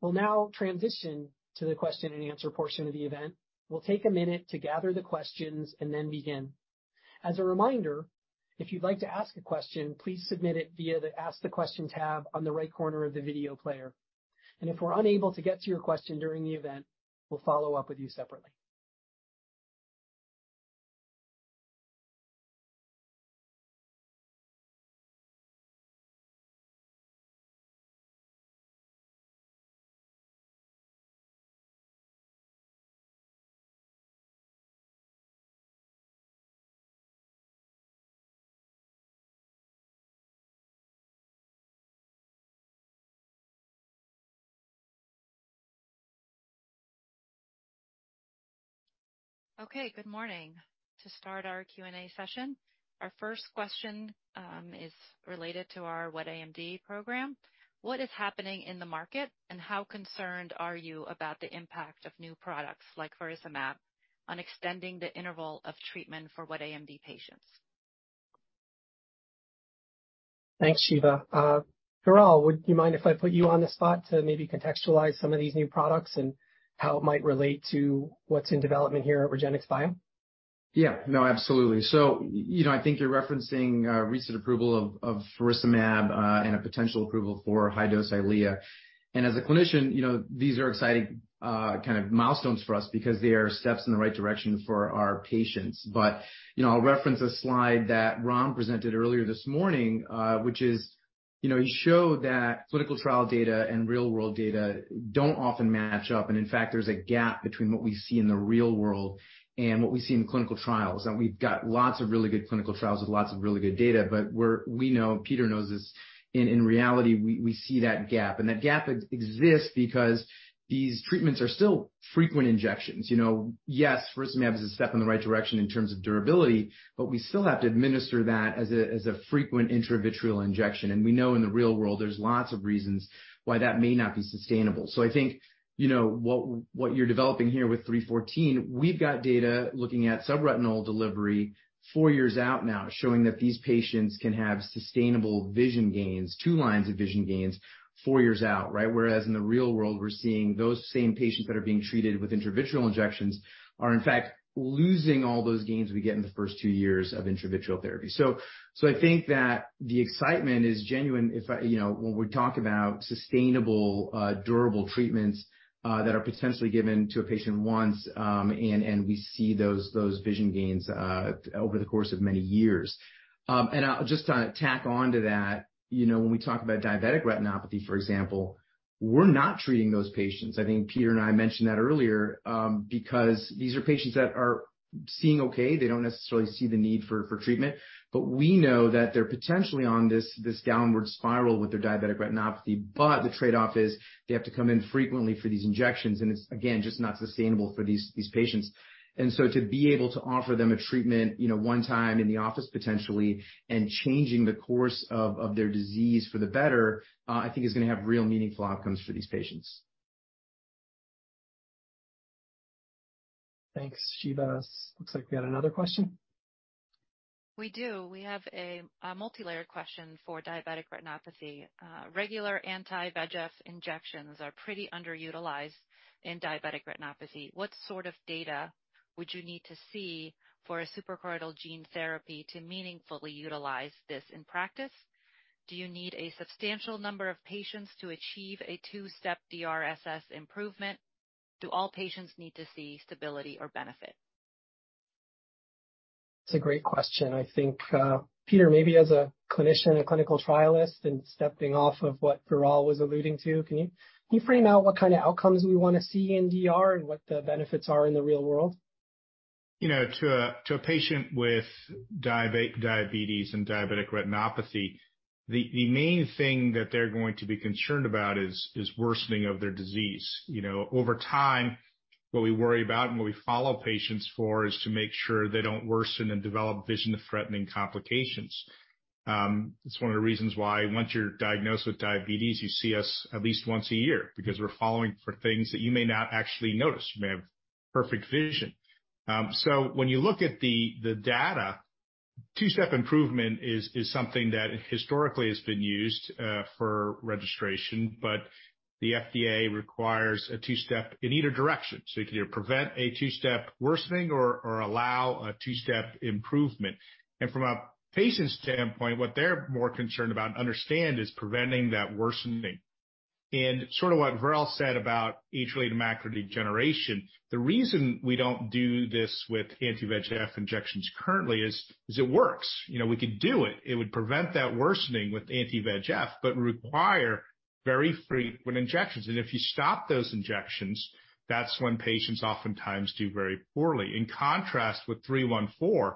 we'll now transition to the question and answer portion of the event. We'll take a minute to gather the questions and then begin. As a reminder, if you'd like to ask a question, please submit it via the Ask the Question tab on the right corner of the video player. If we're unable to get to your question during the event, we'll follow up with you separately. Okay, good morning. To start our Q&A session, our first question is related to our wet AMD program. What is happening in the market, and how concerned are you about the impact of new products like faricimab on extending the interval of treatment for wet AMD patients? Thanks, Shiva. Viral, would you mind if I put you on the spot to maybe contextualize some of these new products and how it might relate to what's in development here at REGENXBIO? Yeah. No, absolutely. You know, I think you're referencing recent approval of faricimab and a potential approval for high-dose EYLEA. As a clinician, you know, these are exciting kind of milestones for us because they are steps in the right direction for our patients. I'll reference a slide that Ron presented earlier this morning, which is, you know, he showed that clinical trial data and real-world data don't often match up, and in fact, there's a gap between what we see in the real world and what we see in clinical trials. We've got lots of really good clinical trials with lots of really good data, but we know, Peter knows this, in reality, we see that gap. That gap exists because these treatments are still frequent injections. You know, yes, faricimab is a step in the right direction in terms of durability, we still have to administer that as a frequent intravitreal injection. We know in the real world, there's lots of reasons why that may not be sustainable. I think, you know, what you're developing here with 314, we've got data looking at subretinal delivery 4 years out now, showing that these patients can have sustainable vision gains, 2 lines of vision gains, 4 years out, right? Whereas in the real world, we're seeing those same patients that are being treated with intravitreal injections are, in fact, losing all those gains we get in the first 2 years of intravitreal therapy. I think that the excitement is genuine if I... You know, when we talk about sustainable, durable treatments, that are potentially given to a patient once, and we see those vision gains over the course of many years. Just to tack on to that, you know, when we talk about diabetic retinopathy, for example, we're not treating those patients. I think Peter and I mentioned that earlier, because these are patients that are seeing okay. They don't necessarily see the need for treatment, but we know that they're potentially on this downward spiral with their diabetic retinopathy. The trade-off is they have to come in frequently for these injections, and it's, again, just not sustainable for these patients. To be able to offer them a treatment, you know, 1 time in the office, potentially, and changing the course of their disease for the better, I think is gonna have real meaningful outcomes for these patients. Thanks, Shiva. Looks like we had another question. We do. We have a multilayered question for diabetic retinopathy. "Regular anti-VEGF injections are pretty underutilized in diabetic retinopathy. What sort of data would you need to see for a suprachoroidal gene therapy to meaningfully utilize this in practice? Do you need a substantial number of patients to achieve a two-step DRSS improvement?... Do all patients need to see stability or benefit? That's a great question. I think Peter, maybe as a clinician and a clinical trialist, stepping off of what Viral was alluding to, can you frame out what kind of outcomes we want to see in DR and what the benefits are in the real world? You know, to a patient with diabetes and diabetic retinopathy, the main thing that they're going to be concerned about is worsening of their disease. You know, over time, what we worry about and what we follow patients for is to make sure they don't worsen and develop vision-threatening complications. It's one of the reasons why once you're diagnosed with diabetes, you see us at least once a year, because we're following for things that you may not actually notice. You may have perfect vision. When you look at the data, 2-step improvement is something that historically has been used for registration, but the FDA requires a 2-step in either direction. You can either prevent a 2-step worsening or allow a 2-step improvement. From a patient's standpoint, what they're more concerned about and understand is preventing that worsening. Sort of what Viral said about age-related macular degeneration, the reason we don't do this with anti-VEGF injections currently is, it works. You know, we could do it. It would prevent that worsening with anti-VEGF, but require very frequent injections. If you stop those injections, that's when patients oftentimes do very poorly. In contrast with 314,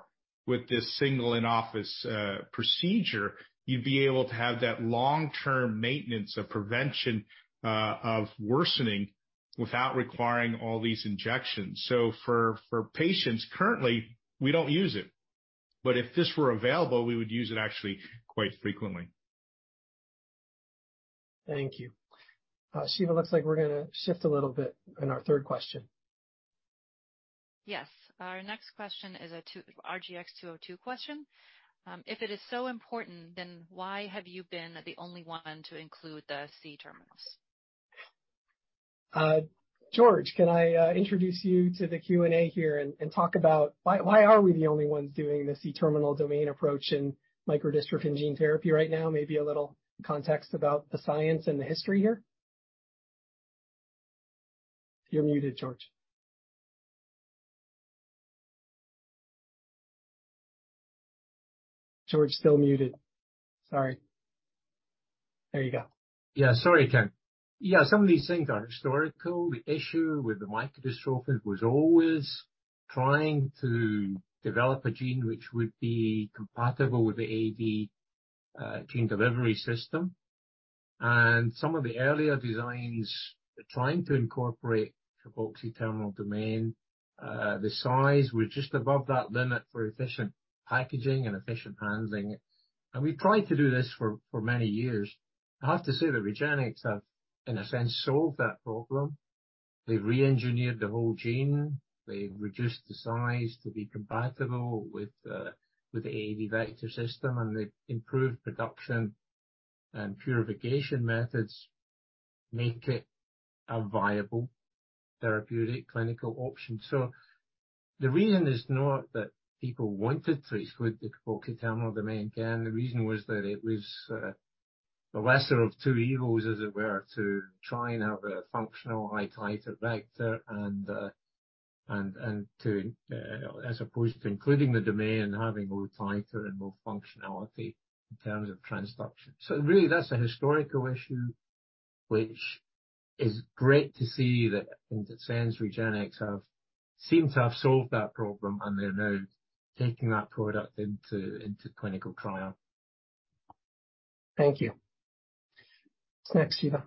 with this single in-office procedure, you'd be able to have that long-term maintenance of prevention of worsening without requiring all these injections. For patients, currently, we don't use it, but if this were available, we would use it actually quite frequently. Thank you. Shiva, looks like we're gonna shift a little bit in our third question. Yes. Our next question is a RGX-202 question. If it is so important, why have you been the only one to include the C-terminus? George, can I introduce you to the Q&A here and talk about why are we the only ones doing the C-Terminal domain approach in microdystrophin gene therapy right now? Maybe a little context about the science and the history here. You're muted, George. George, still muted. Sorry. There you go. Yeah, sorry, Ken. Yeah, some of these things are historical. The issue with the microdystrophin was always trying to develop a gene which would be compatible with the AAV gene delivery system, and some of the earlier designs, trying to incorporate C-terminal domain, the size was just above that limit for efficient packaging and efficient handling. We tried to do this for many years. I have to say that REGENXBIO have, in a sense, solved that problem. They reengineered the whole gene. They reduced the size to be compatible with the AAV vector system, and they improved production and purification methods make it a viable therapeutic clinical option. The reason is not that people wanted to include the C-terminal domain. Again, the reason was that it was the lesser of two evils, as it were, to try and have a functional high titer vector as opposed to including the domain and having more titer and more functionality in terms of transduction. Really, that's a historical issue, which is great to see that, in that sense, REGENXBIO seem to have solved that problem, and they're now taking that product into clinical trial. Thank you. What's next, Shiva?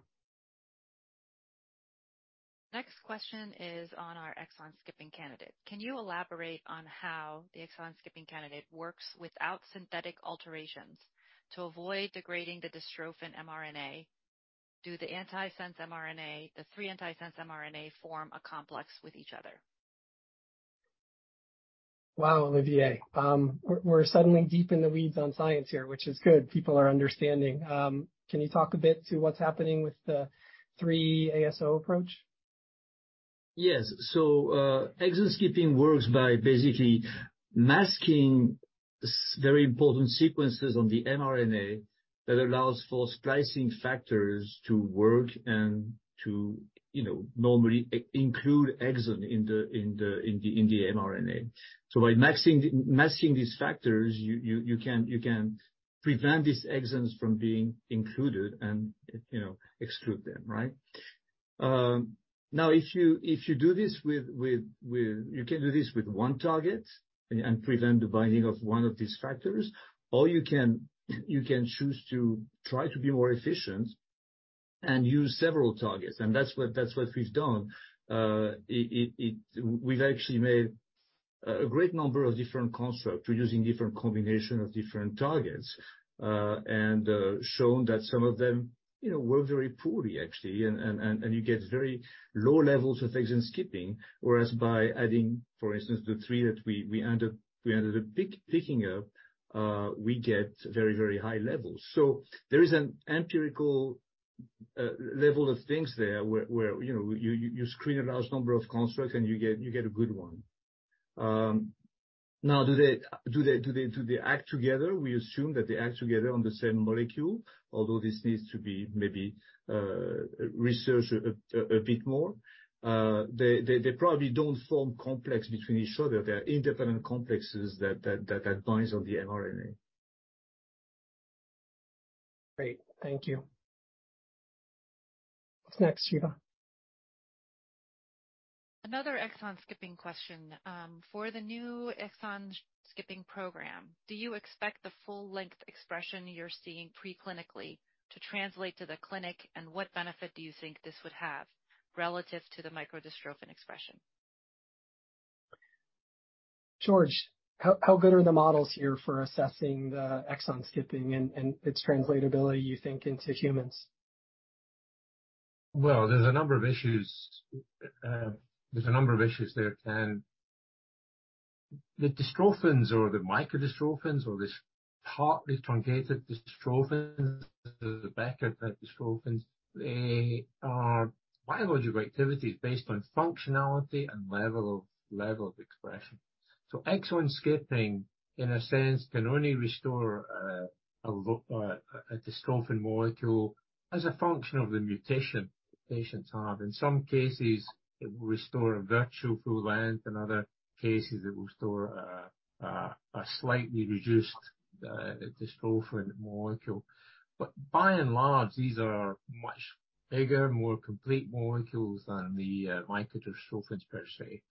Next question is on our exon skipping candidate. Can you elaborate on how the exon skipping candidate works without synthetic alterations to avoid degrading the dystrophin mRNA? Do the antisense mRNA, the 3 antisense mRNA, form a complex with each other? Wow, Olivier. We're suddenly deep in the weeds on science here, which is good. People are understanding. Can you talk a bit to what's happening with the 3 ASO approach? Yes. exon skipping works by basically masking very important sequences on the mRNA that allows for splicing factors to work and to, you know, normally include exon in the mRNA. by masking these factors, you can prevent these exons from being included and, you know, exclude them, right? Now, if you do this with... You can do this with one target and prevent the binding of one of these factors, or you can choose to try to be more efficient and use several targets, and that's what we've done. We've actually made a great number of different constructs using different combination of different targets, and shown that some of them, you know, work very poorly, actually, and you get very low levels of exon skipping, whereas by adding, for instance, the three that we ended up picking up, we get very, very high levels. There is an empirical level of things there where, you know, you screen a large number of constructs, and you get a good one. Now, do they act together? We assume that they act together on the same molecule, although this needs to be maybe researched a bit more. They probably don't form complex between each other. They are independent complexes that binds on the mRNA. Great. Thank you. What's next, Shiva? Another exon skipping question. For the new exon skipping program, do you expect the full-length expression you're seeing pre-clinically to translate to the clinic? What benefit do you think this would have relative to the microdystrophin expression? George, how good are the models here for assessing the exon skipping and its translatability, you think, into humans? There's a number of issues. There's a number of issues there, Ken. The dystrophins or the microdystrophins, or this partly truncated dystrophins, the Becker dystrophins, they are biological activities based on functionality and level of expression. Exon skipping, in a sense, can only restore a dystrophin molecule as a function of the mutation patients have. In some cases, it will restore a virtual full length. In other cases, it will restore a slightly reduced dystrophin molecule. By and large, these are much bigger, more complete molecules than the microdystrophins per se.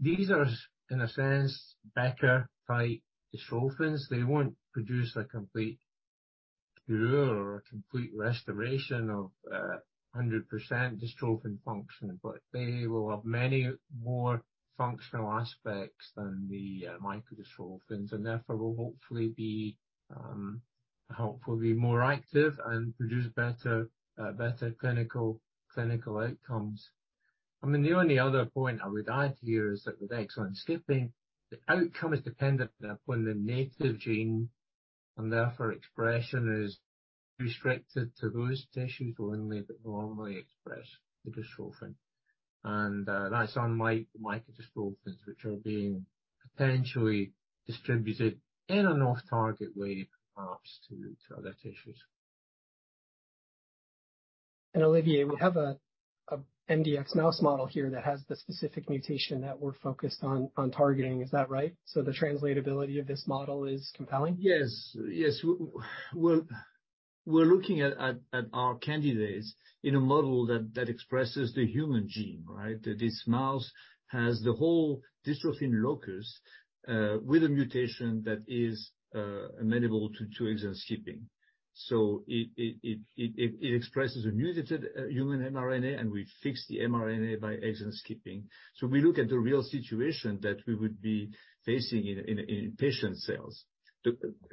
These are, in a sense, Becker-type dystrophins. They won't produce a complete cure or a complete restoration of 100% dystrophin function, but they will have many more functional aspects than the microdystrophins, and therefore, will hopefully be more active and produce better clinical outcomes. I mean, the only other point I would add here is that with exon skipping, the outcome is dependent upon the native gene, and therefore, expression is restricted to those tissues only that normally express the dystrophin. That's unlike microdystrophins, which are being potentially distributed in an off-target way, perhaps to other tissues. Olivier, we have a MDX mouse model here that has the specific mutation that we're focused on targeting. Is that right? The translatability of this model is compelling? Yes. Yes, we're looking at our candidates in a model that expresses the human gene, right? This mouse has the whole dystrophin locus with a mutation that is amenable to exon skipping. It expresses a mutated human mRNA, and we fix the mRNA by exon skipping. We look at the real situation that we would be facing in patient cells.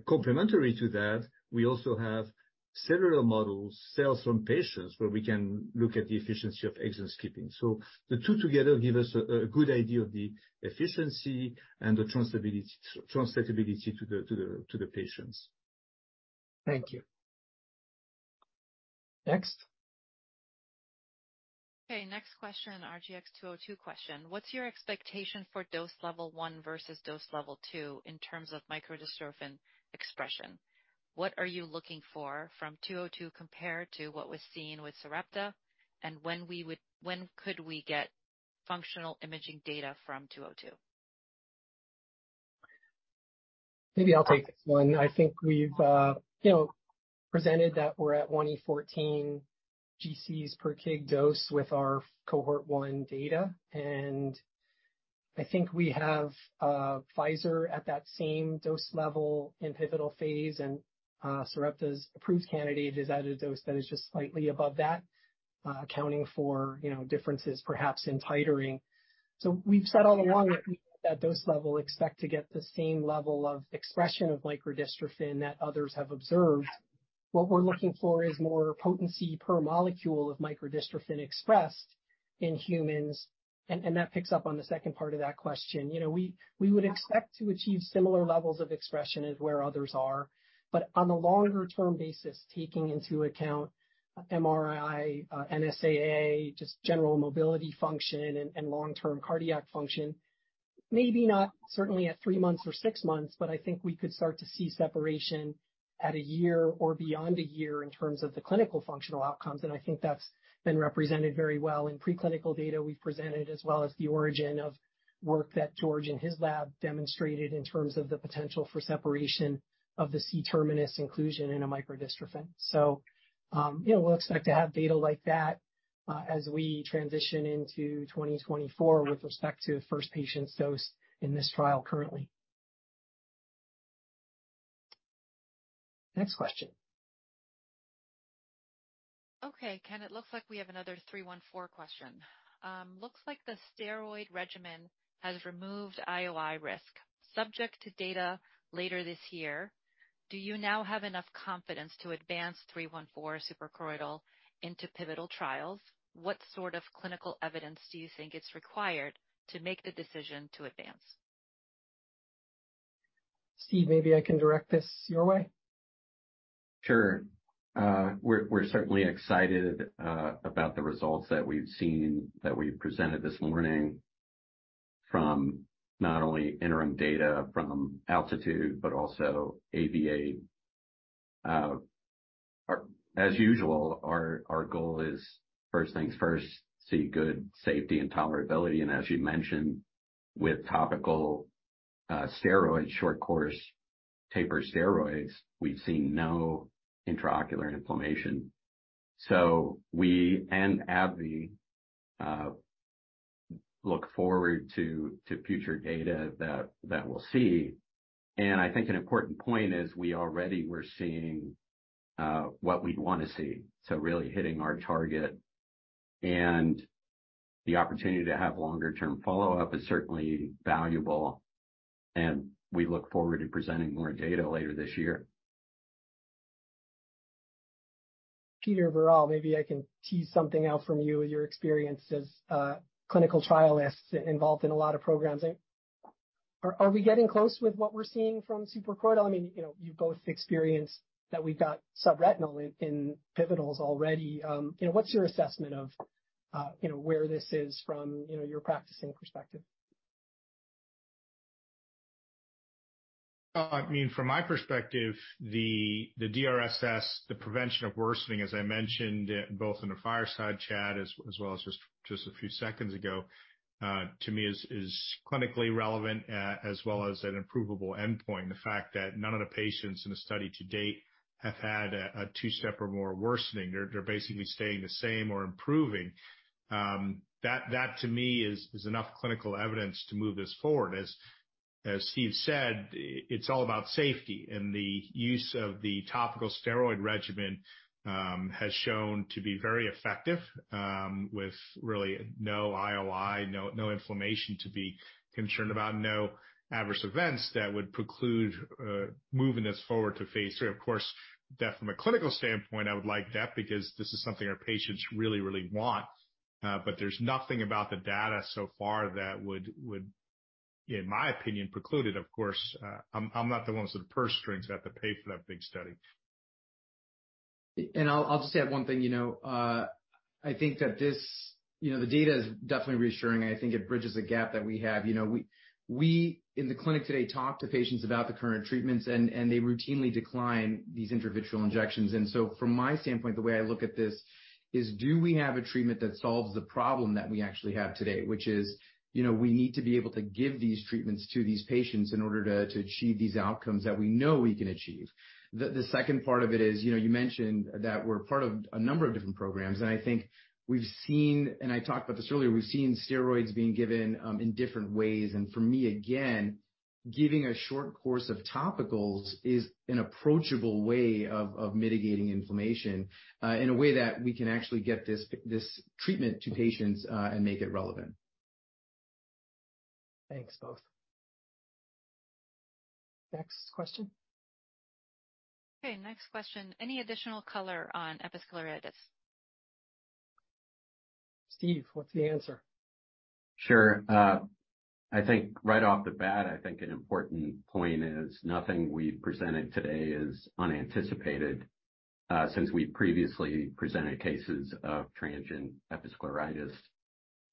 Complementary to that, we also have several models, cells from patients, where we can look at the efficiency of exon skipping. The two together give us a good idea of the efficiency and the translatability to the patients. Thank you. Next? Okay, next question, RGX-202 question: What's your expectation for dose level 1 versus dose level 2 in terms of microdystrophin expression? What are you looking for from 202 compared to what was seen with Sarepta? When could we get functional imaging data from 202? Maybe I'll take this one. I think we've, you know, presented that we're at 1E14 GCs per kg dose with our cohort one data. I think we have Pfizer at that same dose level in pivotal phase, Sarepta's approved candidate is at a dose that is just slightly above that, accounting for, you know, differences perhaps in titering. We've said all along that at that dose level, expect to get the same level of expression of microdystrophin that others have observed. What we're looking for is more potency per molecule of microdystrophin expressed in humans, and that picks up on the second part of that question. You know, we would expect to achieve similar levels of expression as where others are, but on a longer-term basis, taking into account MRI, NSAA, just general mobility function and long-term cardiac function, maybe not certainly at three months or six months, but I think we could start to see separation at a year or beyond a year in terms of the clinical functional outcomes. I think that's been represented very well in preclinical data we've presented, as well as the origin of work that George in his lab demonstrated in terms of the potential for separation of the C-terminus inclusion in a microdystrophin. You know, we'll expect to have data like that as we transition into 2024 with respect to first patients dosed in this trial currently. Next question. Okay, Ken, it looks like we have another 314 question. Looks like the steroid regimen has removed IOI risk. Subject to data later this year, do you now have enough confidence to advance 314 suprachoroidal into pivotal trials? What sort of clinical evidence do you think is required to make the decision to advance?... Steve, maybe I can direct this your way. Sure. We're certainly excited about the results that we've seen, that we've presented this morning from not only interim data from ALTITUDE, but also AAVIATE. As usual, our goal is, first things first, see good safety and tolerability. As you mentioned, with topical steroid, short course taper steroids, we've seen no intraocular inflammation. We and AbbVie look forward to future data that we'll see. I think an important point is we already were seeing what we'd want to see, so really hitting our target. The opportunity to have longer-term follow-up is certainly valuable, and we look forward to presenting more data later this year. Peter, Viral, maybe I can tease something out from you with your experience as a clinical trialist involved in a lot of programs. Are we getting close with what we're seeing from suprachoroidal? I mean, you know, you've both experienced that we've got subretinal in pivotals already. You know, what's your assessment of, you know, where this is from, you know, your practicing perspective? I mean, from my perspective, the DRSS, the prevention of worsening, as I mentioned, both in the fireside chat as well as just a few seconds ago, to me, is clinically relevant as well as an approvable endpoint. The fact that none of the patients in the study to date have had a two-step or more worsening, they're basically staying the same or improving. That, to me, is enough clinical evidence to move this forward. As Steve said, it's all about safety, and the use of the topical steroid regimen has shown to be very effective with really no IOI, no inflammation to be concerned about, no adverse events that would preclude moving this forward to phase 3. Of course, that from a clinical standpoint, I would like that because this is something our patients really, really want. There's nothing about the data so far that would, in my opinion, preclude it, of course. I'm not the one with the purse strings. I have to pay for that big study. I'll just add one thing, you know. I think that this... You know, the data is definitely reassuring, and I think it bridges the gap that we have. You know, we, in the clinic today, talk to patients about the current treatments, and they routinely decline these intravitreal injections. From my standpoint, the way I look at this is: Do we have a treatment that solves the problem that we actually have today? Which is, you know, we need to be able to give these treatments to these patients in order to achieve these outcomes that we know we can achieve. The second part of it is, you know, you mentioned that we're part of a number of different programs, and I think we've seen, and I talked about this earlier, we've seen steroids being given in different ways. For me, again, giving a short course of topicals is an approachable way of mitigating inflammation, in a way that we can actually get this treatment to patients, and make it relevant. Thanks, both. Next question? Okay, next question. Any additional color on episcleritis? Steve, what's the answer? Sure. I think right off the bat, I think an important point is nothing we've presented today is unanticipated, since we previously presented cases of transient episcleritis.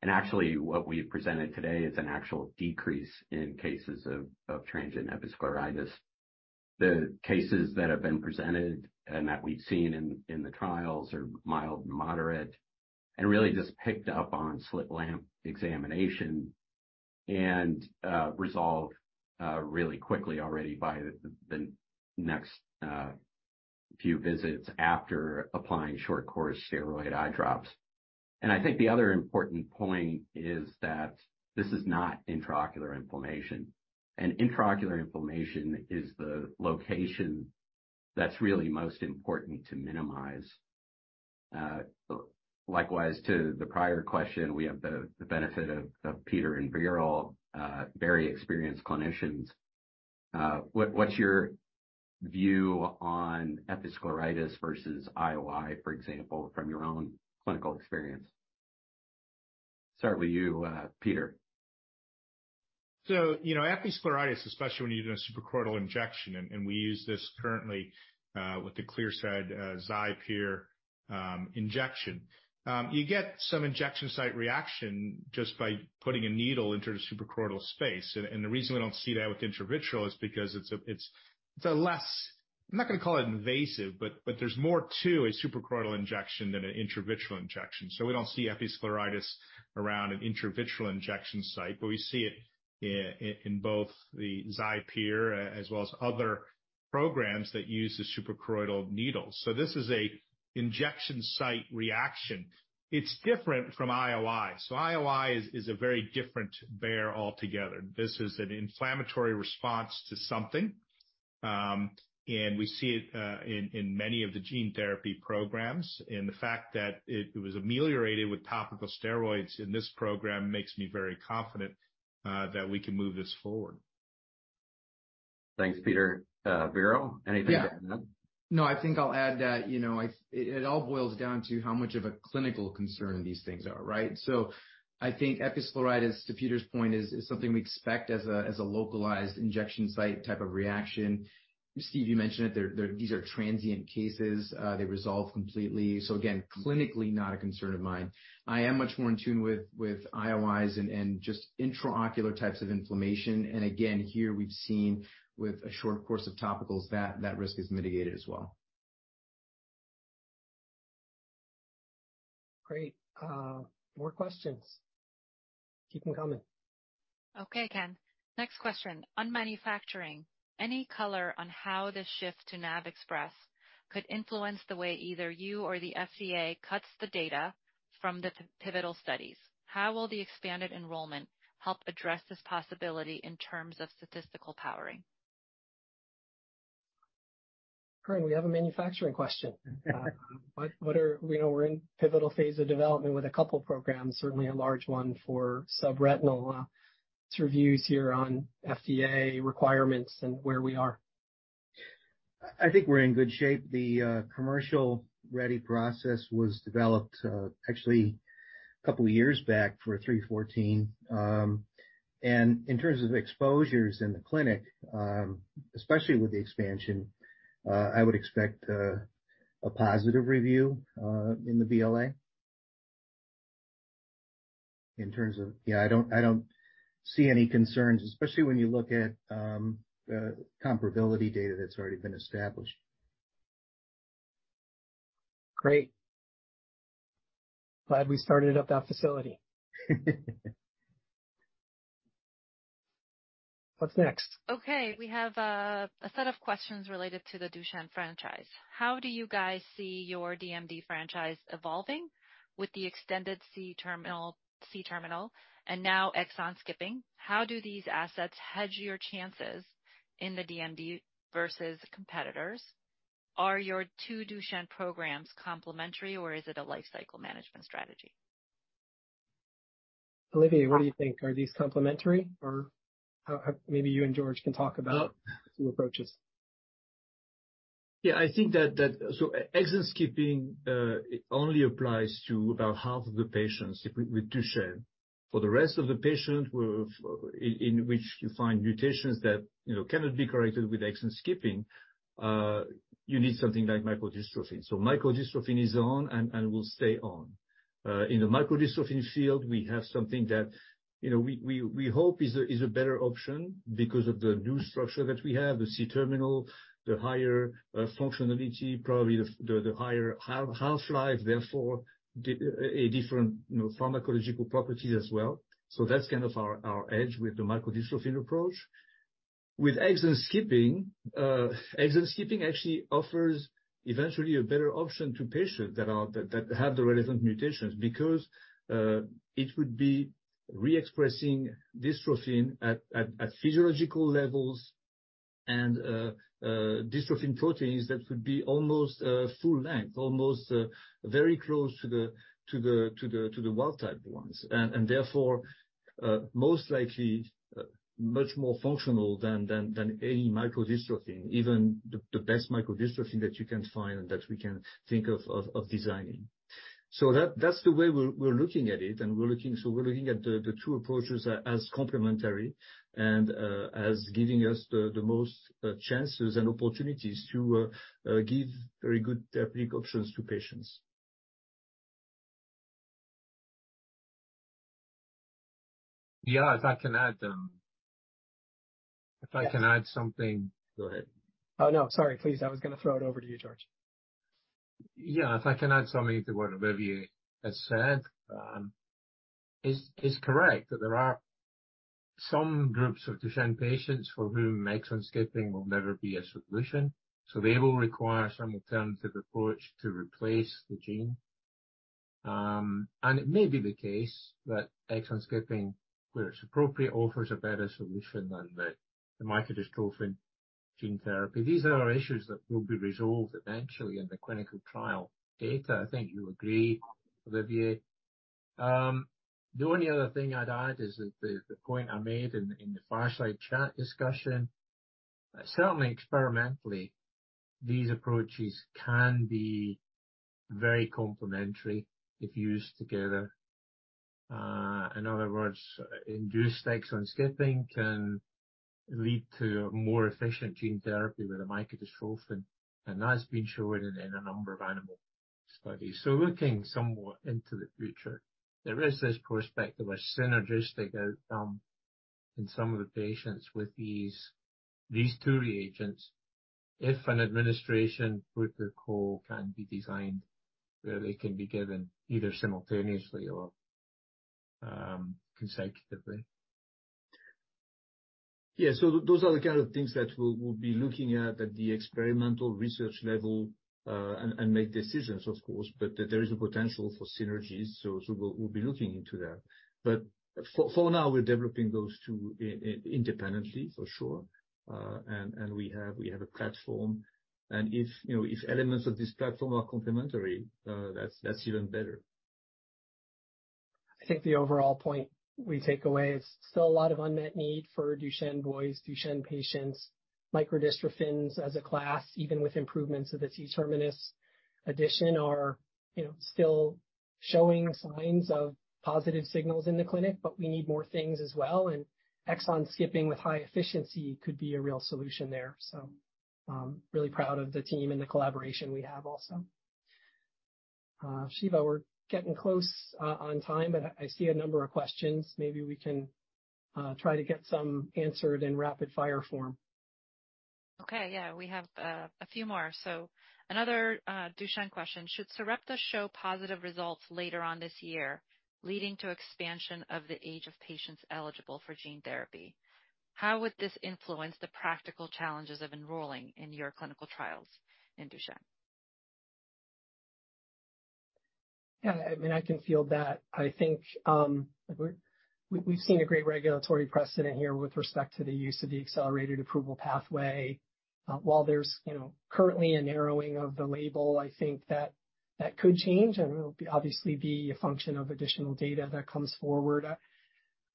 Actually, what we've presented today is an actual decrease in cases of transient episcleritis. The cases that have been presented and that we've seen in the trials are mild, moderate, and really just picked up on slit lamp examination and resolved really quickly already by the next few visits after applying short course steroid eye drops. I think the other important point is that this is not intraocular inflammation, and intraocular inflammation is the location that's really most important to minimize. Likewise, to the prior question, we have the benefit of Peter and Viral, very experienced clinicians. What's your view on episcleritis versus IOI, for example, from your own clinical experience? Start with you, Peter. You know, episcleritis, especially when you're doing a suprachoroidal injection, and we use this currently with the Clearside Biomedical XIPERE injection. You get some injection site reaction just by putting a needle into the suprachoroidal space. And the reason we don't see that with intravitreal is because it's a less, I'm not going to call it invasive, but there's more to a suprachoroidal injection than an intravitreal injection. We don't see episcleritis around an intravitreal injection site, but we see it in both the XIPERE as well as other programs that use the suprachoroidal needles. This is a injection site reaction. It's different from IOI. IOI is a very different bear altogether. This is an inflammatory response to something, and we see it in many of the gene therapy programs. The fact that it was ameliorated with topical steroids in this program makes me very confident that we can move this forward. Thanks, Peter. Viral, anything to add? I think I'll add that, you know, it all boils down to how much of a clinical concern these things are, right? I think episcleritis, to Peter's point, is something we expect as a localized injection site type of reaction. Steve, you mentioned it, these are transient cases, they resolve completely. Again, clinically, not a concern of mine. I am much more in tune with IOIs and just intraocular types of inflammation. Again, here we've seen with a short course of topicals, that risk is mitigated as well. Great. More questions. Keep them coming. Okay, Ken. Next question. On manufacturing, any color on how the shift to NAVXpress could influence the way either you or the FDA cuts the data from the pivotal studies? How will the expanded enrollment help address this possibility in terms of statistical powering? Great, we have a manufacturing question. You know, we're in pivotal phase of development with a couple programs, certainly a large one for subretinal, to reviews here on FDA requirements and where we are. I think we're in good shape. The commercial-ready process was developed actually a couple of years back for 314. In terms of exposures in the clinic, especially with the expansion, I would expect a positive review in the BLA. In terms of, Yeah, I don't see any concerns, especially when you look at the comparability data that's already been established. Great. Glad we started up that facility. What's next? Okay. We have a set of questions related to the Duchenne franchise. How do you guys see your DMD franchise evolving with the extended C-terminal and now exon skipping? How do these assets hedge your chances in the DMD versus competitors? Are your two Duchenne programs complementary, or is it a life cycle management strategy? Olivier, what do you think? Are these complementary, or how... Maybe you and George can talk about... Well- some approaches. I think that, so exon skipping, it only applies to about half of the patients with Duchenne. For the rest of the patients with, in which you find mutations that, you know, cannot be corrected with exon skipping, you need something like myodystrophy. Myodystrophy is on and will stay on. In the myodystrophy field, we hope is a better option because of the new structure that we have, the C-terminal, the higher functionality, probably the higher half-life, therefore, the, a different, you know, pharmacological properties as well. That's kind of our edge with the myodystrophy approach. With exon skipping, exon skipping actually offers eventually a better option to patients that have the relevant mutations because it would be reexpressing dystrophin at physiological levels and dystrophin proteins that would be almost full length, almost very close to the wild-type ones, and therefore, most likely, much more functional than any myodystrophy, even the best myodystrophy that you can find and that we can think of designing. That's the way we're looking at it, and we're looking at the two approaches as complementary and as giving us the most chances and opportunities to give very good treatment options to patients. If I can add something. Go ahead. Oh, no, sorry, please. I was going to throw it over to you, George. Yeah, if I can add something to what Olivier has said, is correct, that there are some groups of Duchenne patients for whom exon skipping will never be a solution. They will require some alternative approach to replace the gene. It may be the case that exon skipping, where it's appropriate, offers a better solution than the myodystrophy gene therapy. These are issues that will be resolved eventually in the clinical trial data. I think you agree, Olivier. The only other thing I'd add is that the point I made in the fireside chat discussion, certainly experimentally, these approaches can be very complementary if used together. In other words, induced exon skipping can lead to more efficient gene therapy with a myodystrophy, that's been shown in a number of animal studies. Looking somewhat into the future, there is this prospect of a synergistic outcome in some of the patients with these two reagents, if an administration protocol can be designed where they can be given either simultaneously or consecutively. Yeah, those are the kind of things that we'll be looking at at the experimental research level, and make decisions, of course, but there is a potential for synergies, so we'll be looking into that. For now, we're developing those two independently, for sure, and we have a platform, and if, you know, if elements of this platform are complementary, that's even better. I think the overall point we take away is still a lot of unmet need for Duchenne boys, Duchenne patients, microdystrophins as a class, even with improvements of the C-terminus addition, are, you know, still showing signs of positive signals in the clinic, but we need more things as well. Exon skipping with high efficiency could be a real solution there. Really proud of the team and the collaboration we have also. Shiva, we're getting close on time, but I see a number of questions. Maybe we can try to get some answered in rapid-fire form. Okay, yeah, we have a few more. Another Duchenne question: Should Sarepta show positive results later on this year, leading to expansion of the age of patients eligible for gene therapy, how would this influence the practical challenges of enrolling in your clinical trials in Duchenne? Yeah, I mean, I can feel that. I think, we've seen a great regulatory precedent here with respect to the use of the accelerated approval pathway. While there's, you know, currently a narrowing of the label, I think that could change, and it'll obviously be a function of additional data that comes forward. I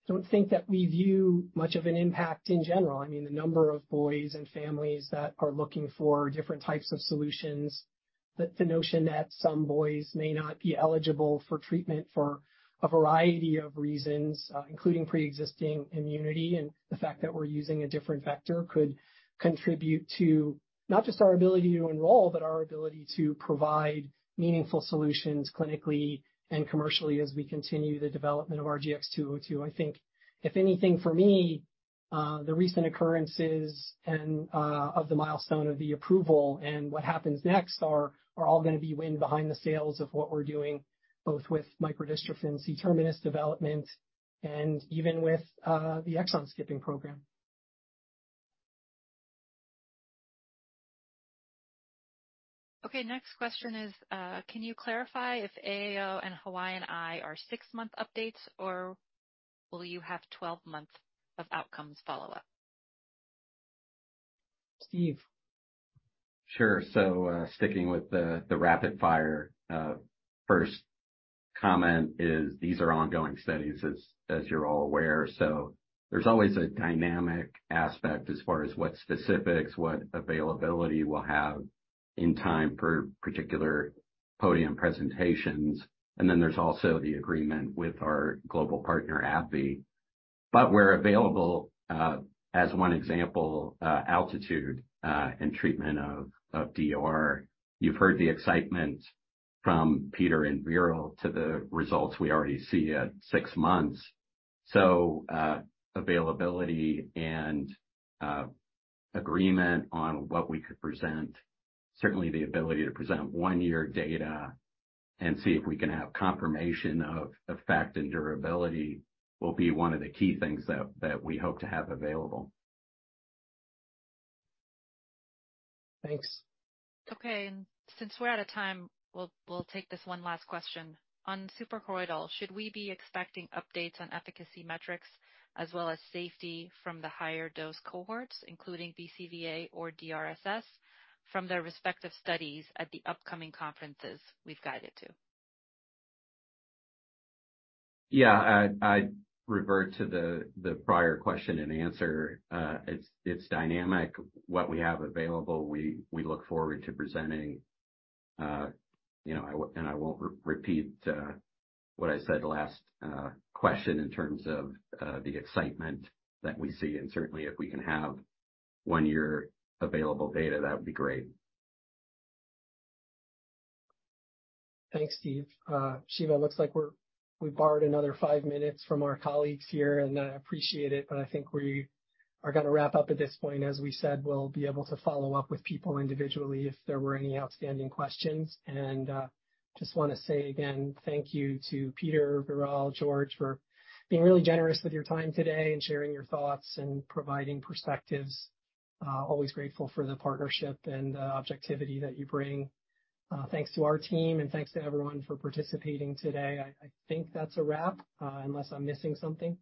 don't think that we view much of an impact in general. I mean, the number of boys and families that are looking for different types of solutions, that the notion that some boys may not be eligible for treatment for a variety of reasons, including preexisting immunity and the fact that we're using a different vector, could contribute to not just our ability to enroll, but our ability to provide meaningful solutions clinically and commercially as we continue the development of RGX-202. I think, if anything, for me, the recent occurrences and of the milestone of the approval and what happens next are all gonna be wind behind the sails of what we're doing, both with microdystrophin C-terminus development and even with the exon skipping program. Okay, next question is, can you clarify if AAO and Hawaiian Eye are 6-month updates, or will you have 12 months of outcomes follow-up? Steve? Sure. Sticking with the rapid fire, first comment is, these are ongoing studies, as you're all aware. There's always a dynamic aspect as far as what specifics, what availability we'll have in time for particular podium presentations. There's also the agreement with our global partner, AbbVie. We're available, as one example, ALTITUDE, in treatment of DOR. You've heard the excitement from Peter and Viral to the results we already see at six months. Availability and agreement on what we could present, certainly the ability to present one-year data and see if we can have confirmation of effect and durability, will be one of the key things that we hope to have available. Thanks. Okay, since we're out of time, we'll take this one last question. On suprachoroidal, should we be expecting updates on efficacy metrics as well as safety from the higher dose cohorts, including BCVA or DRSS, from their respective studies at the upcoming conferences we've guided to? Yeah, I'd revert to the prior question and answer. It's dynamic. What we have available, we look forward to presenting. You know, I won't repeat what I said last question in terms of the excitement that we see. Certainly, if we can have one year available data, that would be great. Thanks, Steve. Shiva, looks like we borrowed another five minutes from our colleagues here, I appreciate it, but I think we are going to wrap up at this point. As we said, we'll be able to follow up with people individually if there were any outstanding questions. Just want to say again, thank you to Peter, Viral, George, for being really generous with your time today and sharing your thoughts and providing perspectives. Always grateful for the partnership and objectivity that you bring. Thanks to our team, thanks to everyone for participating today. I think that's a wrap, unless I'm missing something?